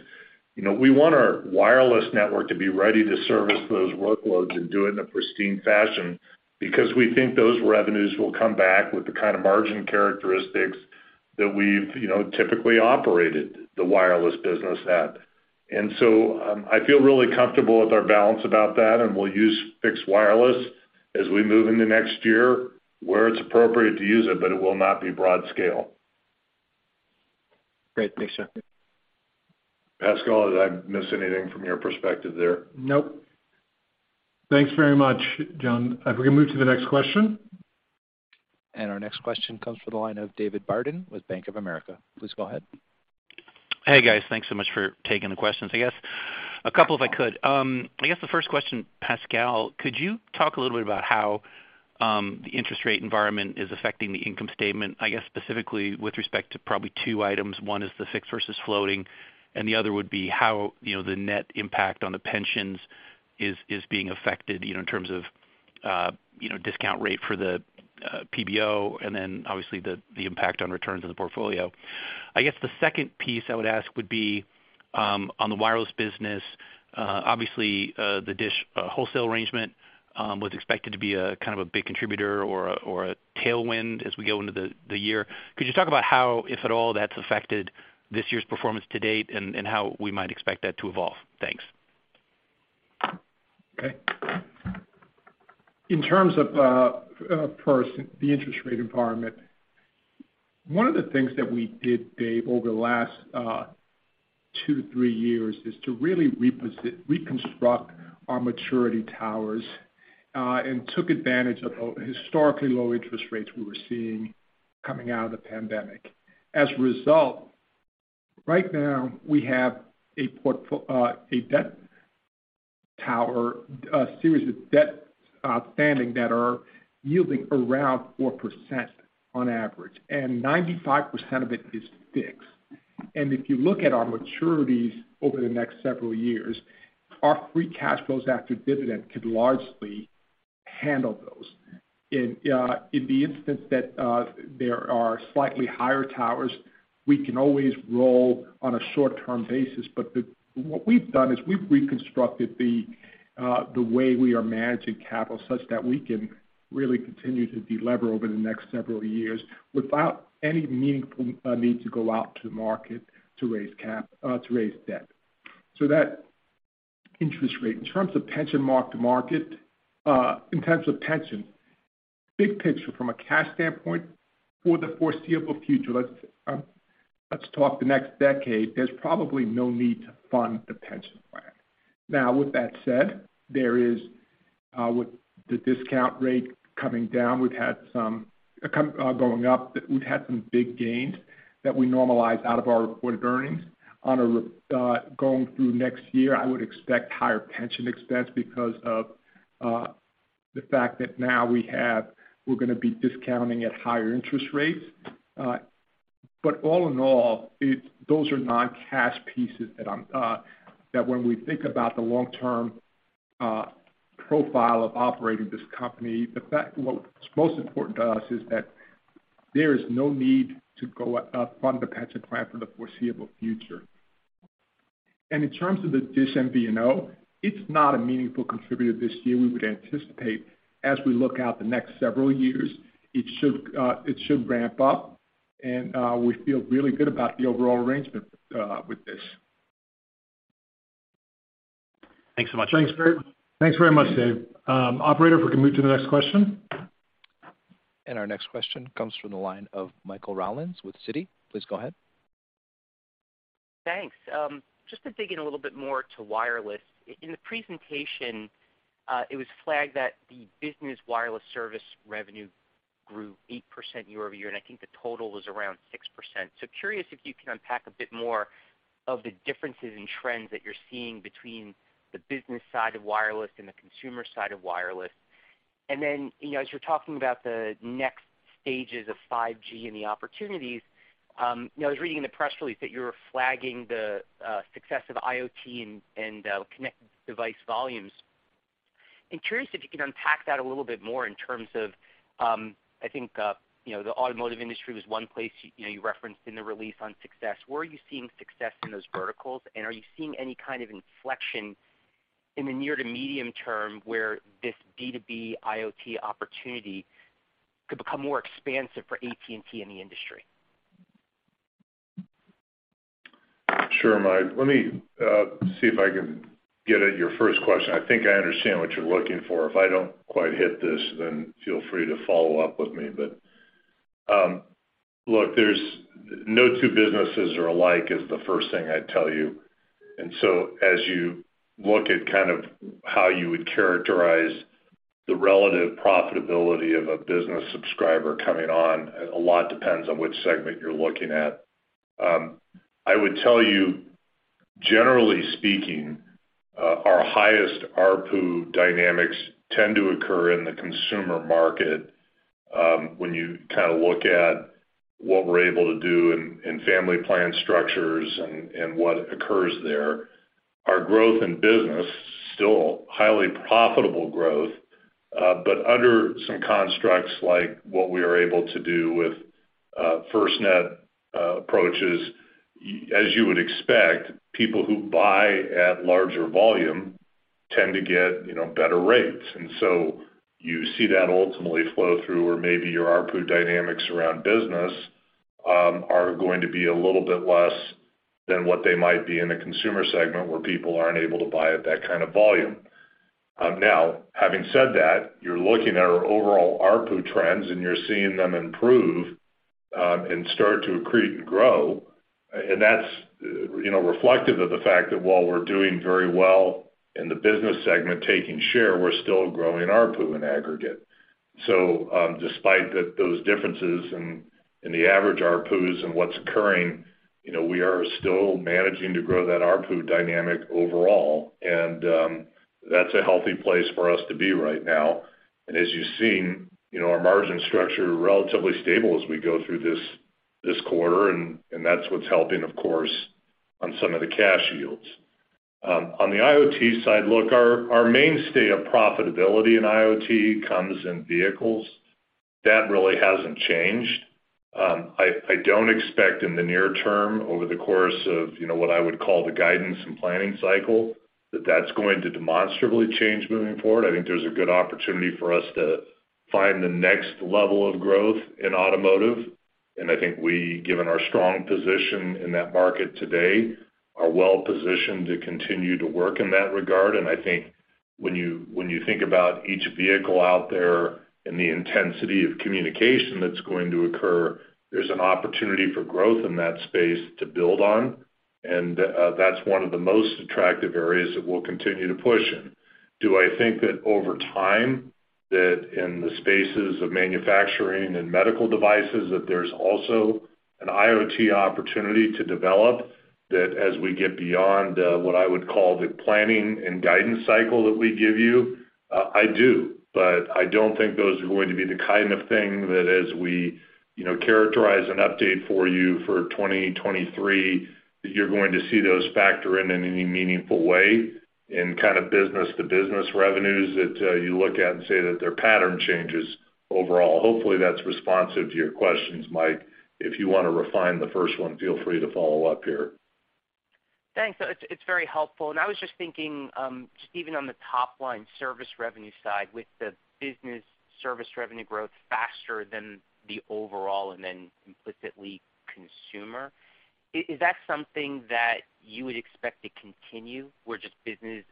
You know, we want our wireless network to be ready to service those workloads and do it in a pristine fashion because we think those revenues will come back with the kind of margin characteristics that we've, you know, typically operated the wireless business at. I feel really comfortable with our balance about that, and we'll use fixed wireless as we move into next year where it's appropriate to use it, but it will not be broad scale. Great. Thanks, John. Pascal, did I miss anything from your perspective there? Nope. Thanks very much, John. If we can move to the next question. Our next question comes from the line of David Barden with Bank of America. Please go ahead. Hey, guys. Thanks so much for taking the questions. I guess a couple, if I could. I guess the first question, Pascal, could you talk a little bit about how the interest rate environment is affecting the income statement, I guess, specifically with respect to probably two items. One is the fixed versus floating, and the other would be how, you know, the net impact on the pensions is being affected, you know, in terms of, you know, discount rate for the PBO and then obviously the impact on returns on the portfolio. I guess the second piece I would ask would be on the wireless business. Obviously, the DiSH wholesale arrangement was expected to be a kind of a big contributor or a tailwind as we go into the year. Could you talk about how, if at all, that's affected this year's performance to date and how we might expect that to evolve? Thanks. Okay. In terms of first, the interest rate environment, one of the things that we did, Dave, over the last two, three years is to really reconstruct our maturity towers and took advantage of the historically low interest rates we were seeing coming out of the pandemic. As a result, right now, we have a debt tower, a series of debt outstanding that are yielding around 4% on average, and 95% of it is fixed. If you look at our maturities over the next several years, our free cash flows after dividend could largely handle those. In the instance that there are slightly higher towers, we can always roll on a short-term basis. What we've done is we've reconstructed the way we are managing capital such that we can really continue to delever over the next several years without any meaningful need to go out to market to raise cap to raise debt. That interest rate. In terms of pension mark-to-market, in terms of pension, big picture from a cash standpoint for the foreseeable future, let's talk the next decade, there's probably no need to fund the pension plan. Now, with that said, with the discount rate coming down, we've had some big gains that we normalize out of our reported earnings. Going through next year, I would expect higher pension expense because of the fact that now we're gonna be discounting at higher interest rates. All in all, those are non-cash pieces that when we think about the long-term profile of operating this company, what's most important to us is that there is no need to go fund the pension plan for the foreseeable future. In terms of the DISH MVNO, it's not a meaningful contributor this year. We would anticipate as we look out the next several years, it should ramp up and we feel really good about the overall arrangement with this. Thanks so much. Thanks very much, Dave. Operator, if we can move to the next question. Our next question comes from the line of Michael Rollins with Citi. Please go ahead. Thanks. Just to dig in a little bit more to wireless. In the presentation, it was flagged that the business wireless service revenue grew 8% year-over-year, and I think the total was around 6%. Curious if you can unpack a bit more of the differences in trends that you're seeing between the business side of wireless and the consumer side of wireless. Then, you know, as you're talking about the next stages of 5G and the opportunities, you know, I was reading in the press release that you were flagging the success of IoT and connected device volumes. I'm curious if you can unpack that a little bit more in terms of, I think, you know, the automotive industry was one place, you know, you referenced in the release on success. Where are you seeing success in those verticals? Are you seeing any kind of inflection in the near to medium term where this B2B IoT opportunity could become more expansive for AT&T in the industry? Sure, Mike. Let me see if I can get at your first question. I think I understand what you're looking for. If I don't quite hit this, then feel free to follow up with me. Look, there's no two businesses are alike is the first thing I'd tell you. As you look at kind of how you would characterize the relative profitability of a business subscriber coming on, a lot depends on which segment you're looking at. I would tell you, generally speaking, our highest ARPU dynamics tend to occur in the consumer market, when you kinda look at what we're able to do in family plan structures and what occurs there. Our growth in business, still highly profitable growth, but under some constructs like what we are able to do with FirstNet, approaches, as you would expect, people who buy at larger volume tend to get, you know, better rates. You see that ultimately flow through, or maybe your ARPU dynamics around business are going to be a little bit less than what they might be in a consumer segment where people aren't able to buy at that kind of volume. Now, having said that, you're looking at our overall ARPU trends, and you're seeing them improve and start to accrete and grow, and that's, you know, reflective of the fact that while we're doing very well in the business segment taking share, we're still growing ARPU in aggregate. Despite those differences in the average ARPUs and what's occurring, you know, we are still managing to grow that ARPU dynamic overall, and that's a healthy place for us to be right now. As you've seen, you know, our margin structure relatively stable as we go through this quarter, and that's what's helping, of course, on some of the cash yields. On the IoT side, look, our mainstay of profitability in IoT comes in vehicles. That really hasn't changed. I don't expect in the near term over the course of, you know, what I would call the guidance and planning cycle, that's going to demonstrably change moving forward. I think there's a good opportunity for us to find the next level of growth in automotive. I think we, given our strong position in that market today, are well positioned to continue to work in that regard. I think when you think about each vehicle out there and the intensity of communication that's going to occur, there's an opportunity for growth in that space to build on. That's one of the most attractive areas that we'll continue to push in. Do I think that over time, that in the spaces of manufacturing and medical devices, that there's also an IoT opportunity to develop that as we get beyond what I would call the planning and guidance cycle that we give you? I do, but I don't think those are going to be the kind of thing that as we, you know, characterize an update for you for 2023, that you're going to see those factor in in any meaningful way in kind of business-to-business revenues that you look at and say that their pattern changes overall. Hopefully, that's responsive to your questions, Mike. If you wanna refine the first one, feel free to follow up here. Thanks. It's very helpful. I was just thinking just even on the top-line service revenue side with the business service revenue growth faster than the overall, and then implicitly consumer. Is that something that you would expect to continue, where just business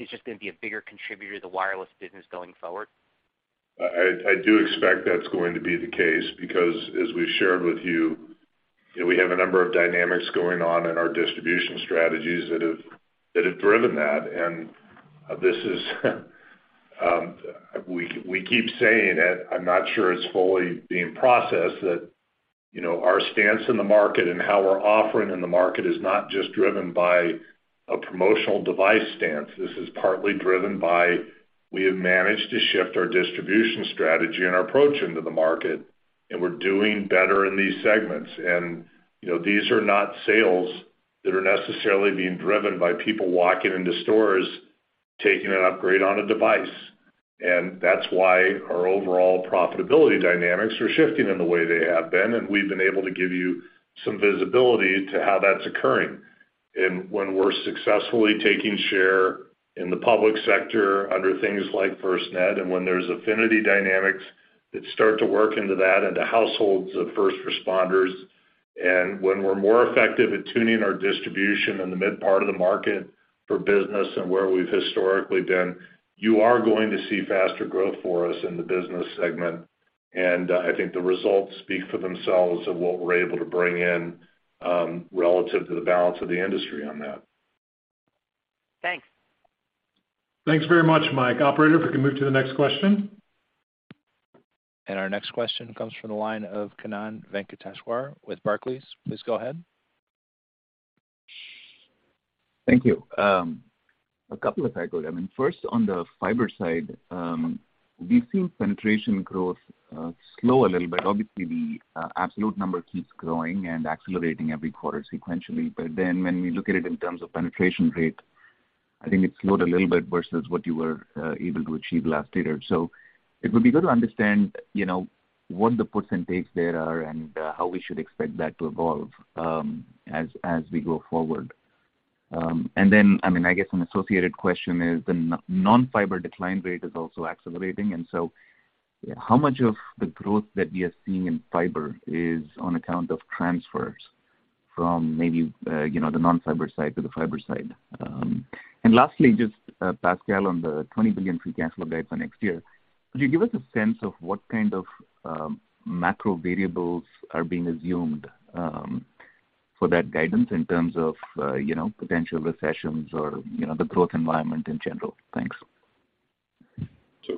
is just gonna be a bigger contributor to the wireless business going forward? I do expect that's going to be the case because as we've shared with you know, we have a number of dynamics going on in our distribution strategies that have driven that. This is, we keep saying it, I'm not sure it's fully being processed, that, you know, our stance in the market and how we're offering in the market is not just driven by a promotional device stance. This is partly driven by, we have managed to shift our distribution strategy and our approach into the market, and we're doing better in these segments. You know, these are not sales that are necessarily being driven by people walking into stores, taking an upgrade on a device. That's why our overall profitability dynamics are shifting in the way they have been, and we've been able to give you some visibility to how that's occurring. When we're successfully taking share in the public sector under things like FirstNet, and when there's affinity dynamics that start to work into that into households of first responders, and when we're more effective at tuning our distribution in the mid part of the market for business and where we've historically been, you are going to see faster growth for us in the business segment. I think the results speak for themselves of what we're able to bring in, relative to the balance of the industry on that. Thanks. Thanks very much, Mike. Operator, if we can move to the next question. Our next question comes from the line of Kannan Venkateshwar with Barclays. Please go ahead. Thank you. A couple of questions. I mean, first on the fiber side, we've seen penetration growth slow a little bit. Obviously, the absolute number keeps growing and accelerating every quarter sequentially. When we look at it in terms of penetration rate, I think it slowed a little bit versus what you were able to achieve last quarter. It would be good to understand, you know, what the puts and takes there are and how we should expect that to evolve as we go forward. I mean, I guess an associated question is, the non-fiber decline rate is also accelerating, and so how much of the growth that we are seeing in fiber is on account of transfers from maybe, you know, the non-fiber side to the fiber side? Lastly, just, Pascal, on the $20 billion free cash flow guide for next year, could you give us a sense of what kind of macro variables are being assumed for that guidance in terms of, you know, potential recessions or, you know, the growth environment in general? Thanks.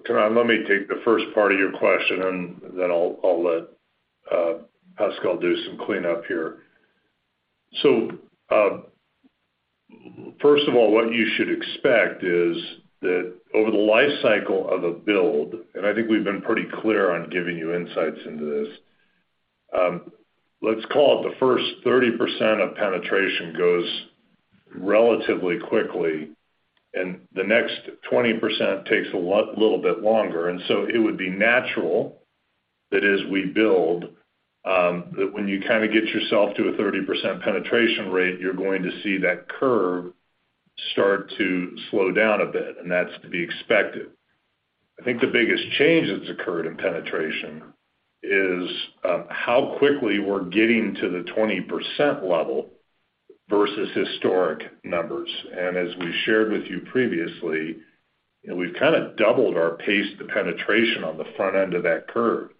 Kannan, let me take the first part of your question, and then I'll let Pascal do some cleanup here. First of all, what you should expect is that over the life cycle of a build, and I think we've been pretty clear on giving you insights into this, let's call it the first 30% of penetration goes relatively quickly, and the next 20% takes a little bit longer. It would be natural that as we build, that when you kinda get yourself to a 30% penetration rate, you're going to see that curve start to slow down a bit. That's to be expected. I think the biggest change that's occurred in penetration is, how quickly we're getting to the 20% level versus historic numbers. As we shared with you previously, you know, we've kinda doubled our pace to penetration on the front end of that curve.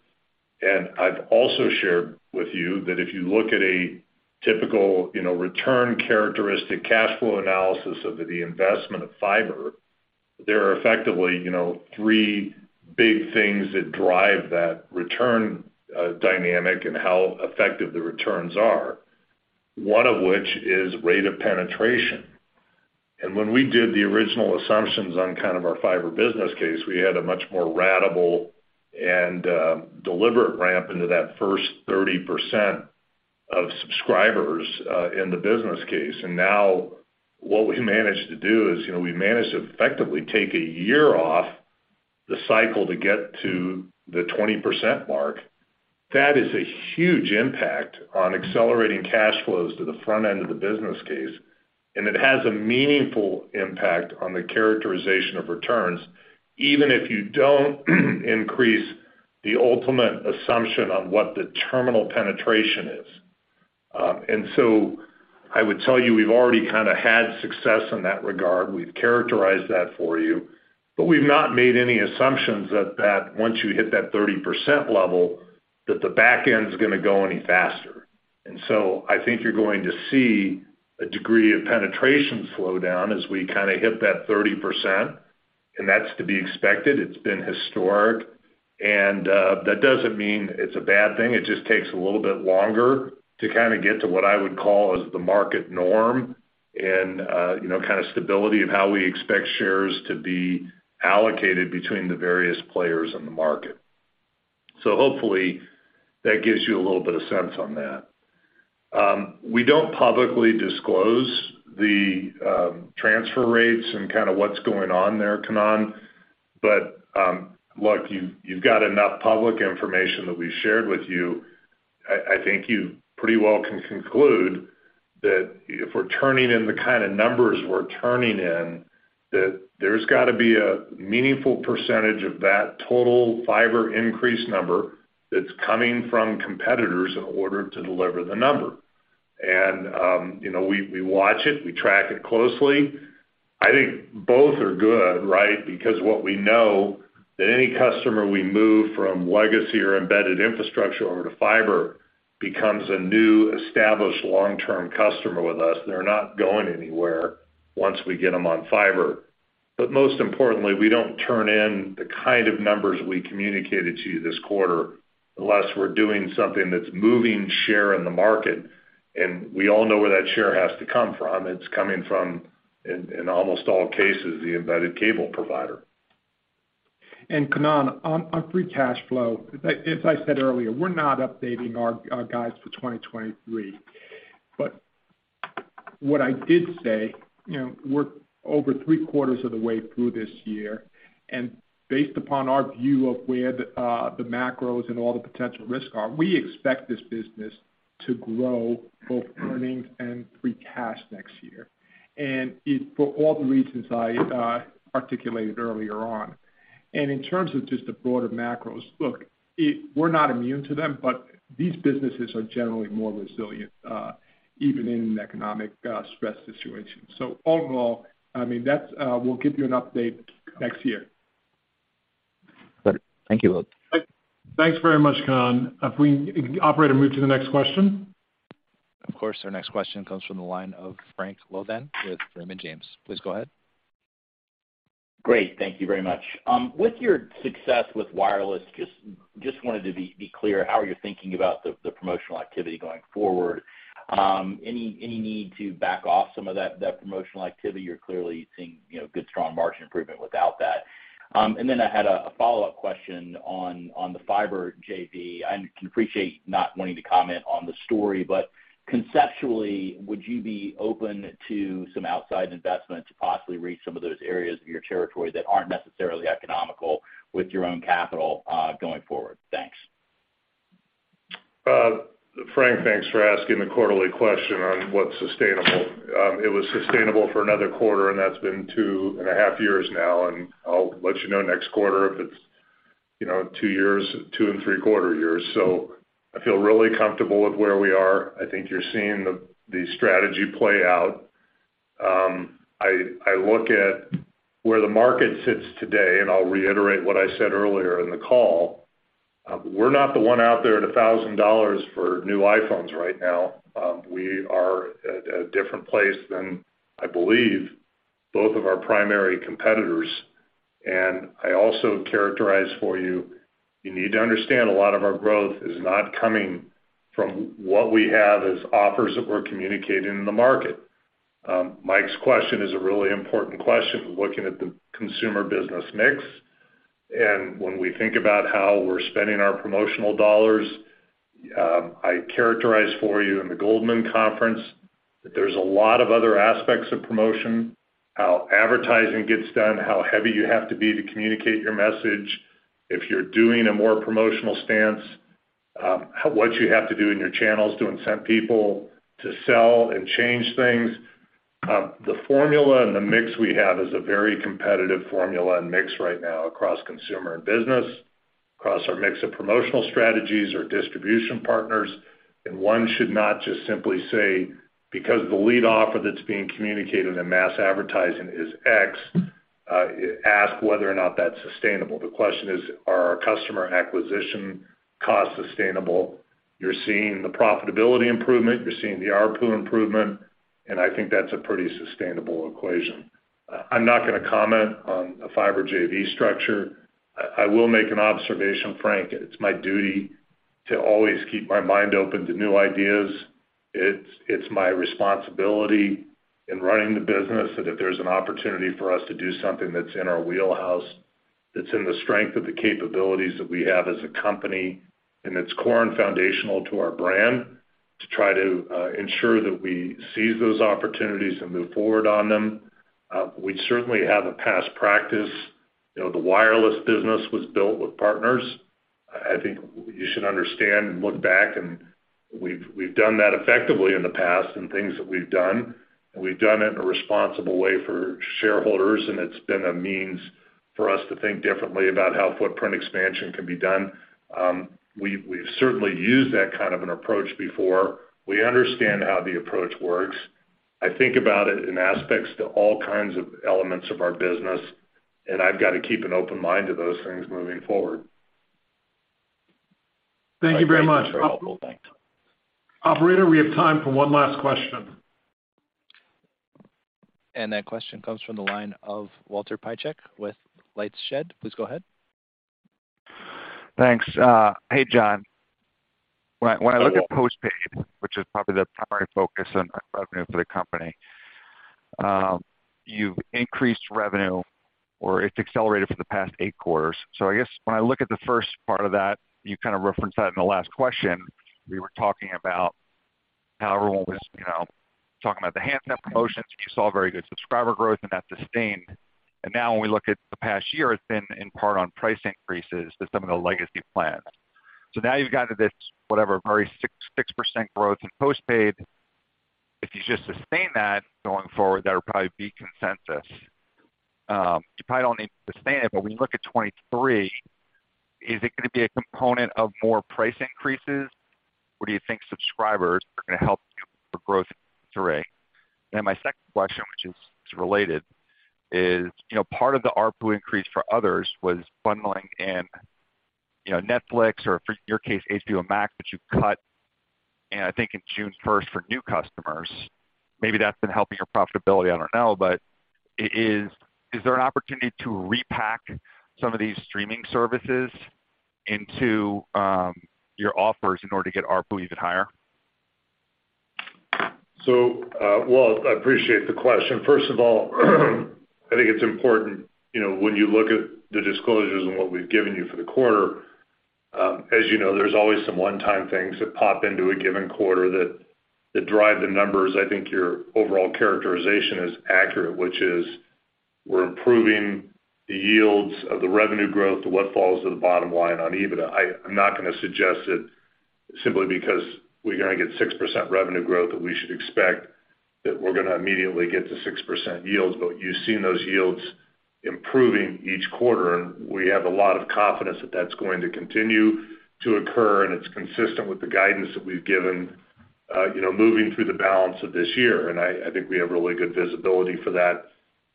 I've also shared with you that if you look at a typical, you know, return characteristic cash flow analysis of the investment of fiber, there are effectively, you know, three big things that drive that return, dynamic and how effective the returns are, one of which is rate of penetration. When we did the original assumptions on kind of our fiber business case, we had a much more ratable and deliberate ramp into that first 30% of subscribers in the business case. Now what we managed to do is, you know, we managed to effectively take a year off the cycle to get to the 20% mark. That is a huge impact on accelerating cash flows to the front end of the business case, and it has a meaningful impact on the characterization of returns, even if you don't increase the ultimate assumption on what the terminal penetration is. I would tell you, we've already kinda had success in that regard. We've characterized that for you, but we've not made any assumptions that once you hit that 30% level, that the back end's gonna go any faster. I think you're going to see a degree of penetration slow down as we kinda hit that 30%, and that's to be expected. It's been historic, and that doesn't mean it's a bad thing. It just takes a little bit longer to kinda get to what I would call is the market norm and, you know, kinda stability of how we expect shares to be allocated between the various players in the market. So hopefully that gives you a little bit of sense on that. We don't publicly disclose the transfer rates and kinda what's going on there, Kannan. Look, you've got enough public information that we shared with you. I think you pretty well can conclude that if we're turning in the kind of numbers we're turning in, that there's got to be a meaningful percentage of that total fiber increase number that's coming from competitors in order to deliver the number. You know, we watch it, we track it closely. I think both are good, right? Because we know that any customer we move from legacy or embedded infrastructure over to fiber becomes a new established long-term customer with us. They're not going anywhere once we get them on fiber. Most importantly, we don't turn in the kind of numbers we communicated to you this quarter unless we're doing something that's moving share in the market, and we all know where that share has to come from. It's coming from, in almost all cases, the embedded cable provider. Kannan, on free cash flow, as I said earlier, we're not updating our guides for 2023. What I did say, you know, we're over three-quarters of the way through this year. Based upon our view of where the macros and all the potential risks are, we expect this business to grow both earnings and free cash next year. For all the reasons I articulated earlier on. In terms of just the broader macros, look, we're not immune to them, but these businesses are generally more resilient, even in economic stress situations. Overall, I mean, that's, we'll give you an update next year. Good. Thank you both. Thanks very much, Kannan. If we, operator, move to the next question. Of course. Our next question comes from the line of Frank Louthan with Raymond James. Please go ahead. Great. Thank you very much. With your success with wireless, just wanted to be clear how you're thinking about the promotional activity going forward. Any need to back off some of that promotional activity? You're clearly seeing, you know, good, strong margin improvement without that. Then I had a follow-up question on the fiber JV. I can appreciate not wanting to comment on the story. Conceptually, would you be open to some outside investment to possibly reach some of those areas of your territory that aren't necessarily economical with your own capital going forward? Thanks. Frank, thanks for asking the quarterly question on what's sustainable. It was sustainable for another quarter, and that's been two and a half years now. I'll let you know next quarter if it's, you know, two years, two and three quarter years. I feel really comfortable with where we are. I think you're seeing the strategy play out. I look at where the market sits today, and I'll reiterate what I said earlier in the call. We're not the one out there at $1,000 for new iPhones right now. We are at a different place than, I believe, both of our primary competitors. I also characterized for you need to understand a lot of our growth is not coming from what we have as offers that we're communicating in the market. Mike's question is a really important question, looking at the consumer business mix. When we think about how we're spending our promotional dollars, I characterize for you in the Goldman conference that there's a lot of other aspects of promotion, how advertising gets done, how heavy you have to be to communicate your message. If you're doing a more promotional stance, what you have to do in your channels to incent people to sell and change things. The formula and the mix we have is a very competitive formula and mix right now across consumer and business, across our mix of promotional strategies, our distribution partners. One should not just simply say, because the lead offer that's being communicated in mass advertising is X, ask whether or not that's sustainable. The question is, are our customer acquisition costs sustainable? You're seeing the profitability improvement, you're seeing the ARPU improvement, and I think that's a pretty sustainable equation. I'm not gonna comment on a fiber JV structure. I will make an observation, Frank. It's my duty to always keep my mind open to new ideas. It's my responsibility in running the business that if there's an opportunity for us to do something that's in our wheelhouse, that's in the strength of the capabilities that we have as a company, and it's core and foundational to our brand, to try to ensure that we seize those opportunities and move forward on them. We certainly have a past practice. You know, the wireless business was built with partners. I think you should understand and look back, and we've done that effectively in the past in things that we've done, and we've done it in a responsible way for shareholders, and it's been a means for us to think differently about how footprint expansion can be done. We've certainly used that kind of an approach before. We understand how the approach works. I think about it in respect to all kinds of elements of our business, and I've got to keep an open mind to those things moving forward. Thank you very much. Operator, we have time for one last question. That question comes from the line of Walter Piecyk with LightShed. Please go ahead. Thanks. Hey, John. When I look at postpaid, which is probably the primary focus on revenue for the company, you've increased revenue or it's accelerated for the past eight quarters. I guess when I look at the first part of that, you kind of referenced that in the last question. We were talking about how everyone was, you know, talking about the handset promotions, you saw very good subscriber growth and that sustained. Now when we look at the past year, it's been in part on price increases to some of the legacy plans. Now you've gotten to this, whatever, probably 6% growth in postpaid. If you just sustain that going forward, that'll probably be consensus. You probably don't need to sustain it, but when you look at 2023, is it gonna be a component of more price increases, or do you think subscribers are gonna help you with growth in 2023? My second question, which is related, you know, part of the ARPU increase for others was bundling in, you know, Netflix or for your case, HBO Max, which you've cut, and I think in June first for new customers. Maybe that's been helping your profitability, I don't know. But is there an opportunity to repack some of these streaming services into your offers in order to get ARPU even higher? Well, I appreciate the question. First of all, I think it's important, you know, when you look at the disclosures and what we've given you for the quarter, as you know, there's always some one-time things that pop into a given quarter that drive the numbers. I think your overall characterization is accurate, which is we're improving the yields of the revenue growth to what falls to the bottom line on EBITDA. I'm not gonna suggest that simply because we're gonna get 6% revenue growth that we should expect that we're gonna immediately get to 6% yields, but you've seen those yields improving each quarter, and we have a lot of confidence that that's going to continue to occur, and it's consistent with the guidance that we've given, you know, moving through the balance of this year. I think we have really good visibility for that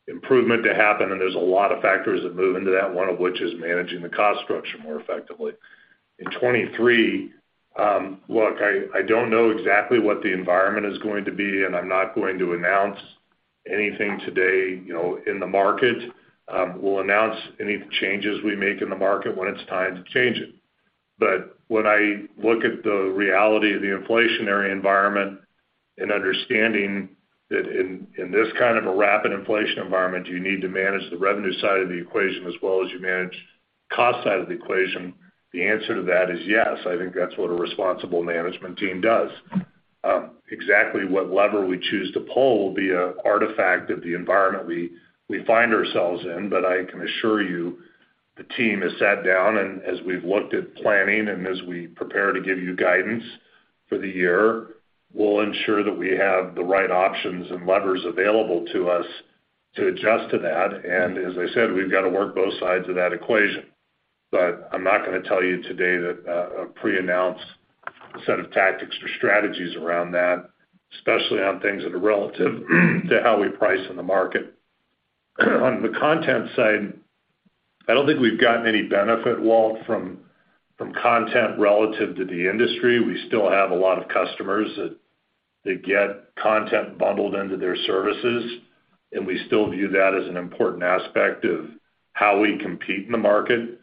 improvement to happen, and there's a lot of factors that move into that, one of which is managing the cost structure more effectively. In 2023, look, I don't know exactly what the environment is going to be, and I'm not going to announce anything today, you know, in the market. We'll announce any changes we make in the market when it's time to change it. But when I look at the reality of the inflationary environment and understanding that in this kind of a rapid inflation environment, you need to manage the revenue side of the equation as well as you manage cost side of the equation, the answer to that is yes. I think that's what a responsible management team does. Exactly what lever we choose to pull will be an artifact of the environment we find ourselves in, but I can assure you the team has sat down, and as we've looked at planning and as we prepare to give you guidance for the year, we'll ensure that we have the right options and levers available to us to adjust to that. As I said, we've got to work both sides of that equation. I'm not gonna tell you today that a pre-announced set of tactics or strategies around that, especially on things that are relative to how we price in the market. On the content side, I don't think we've gotten any benefit, Walter, from content relative to the industry. We still have a lot of customers that they get content bundled into their services, and we still view that as an important aspect of how we compete in the market.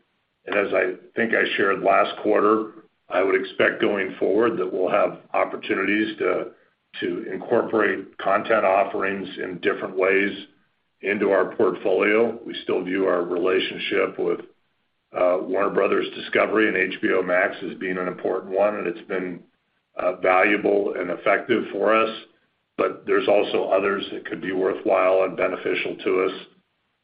As I think I shared last quarter, I would expect going forward that we'll have opportunities to incorporate content offerings in different ways into our portfolio. We still view our relationship with Warner Bros., Discovery, and HBO Max as being an important one, and it's been valuable and effective for us. There's also others that could be worthwhile and beneficial to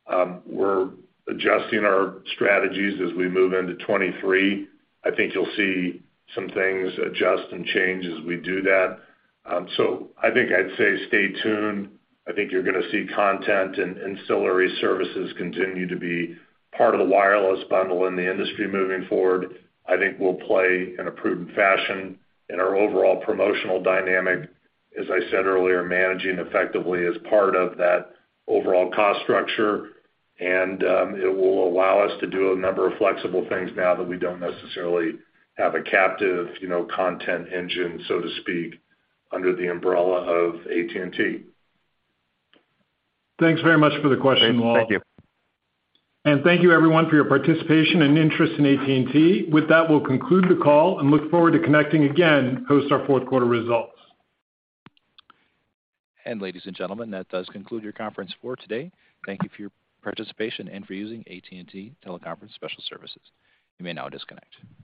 us. We're adjusting our strategies as we move into 2023. I think you'll see some things adjust and change as we do that. I think I'd say stay tuned. I think you're gonna see content and ancillary services continue to be part of the wireless bundle in the industry moving forward. I think we'll play in a prudent fashion in our overall promotional dynamic, as I said earlier, managing effectively as part of that overall cost structure. It will allow us to do a number of flexible things now that we don't necessarily have a captive, you know, content engine, so to speak, under the umbrella of AT&T. Thanks very much for the question, Walter. Thanks. Thank you. Thank you everyone for your participation and interest in AT&T. With that, we'll conclude the call and look forward to connecting again post our fourth quarter results. Ladies and gentlemen, that does conclude your conference for today. Thank you for your participation and for using AT&T Teleconference Special Services. You may now disconnect.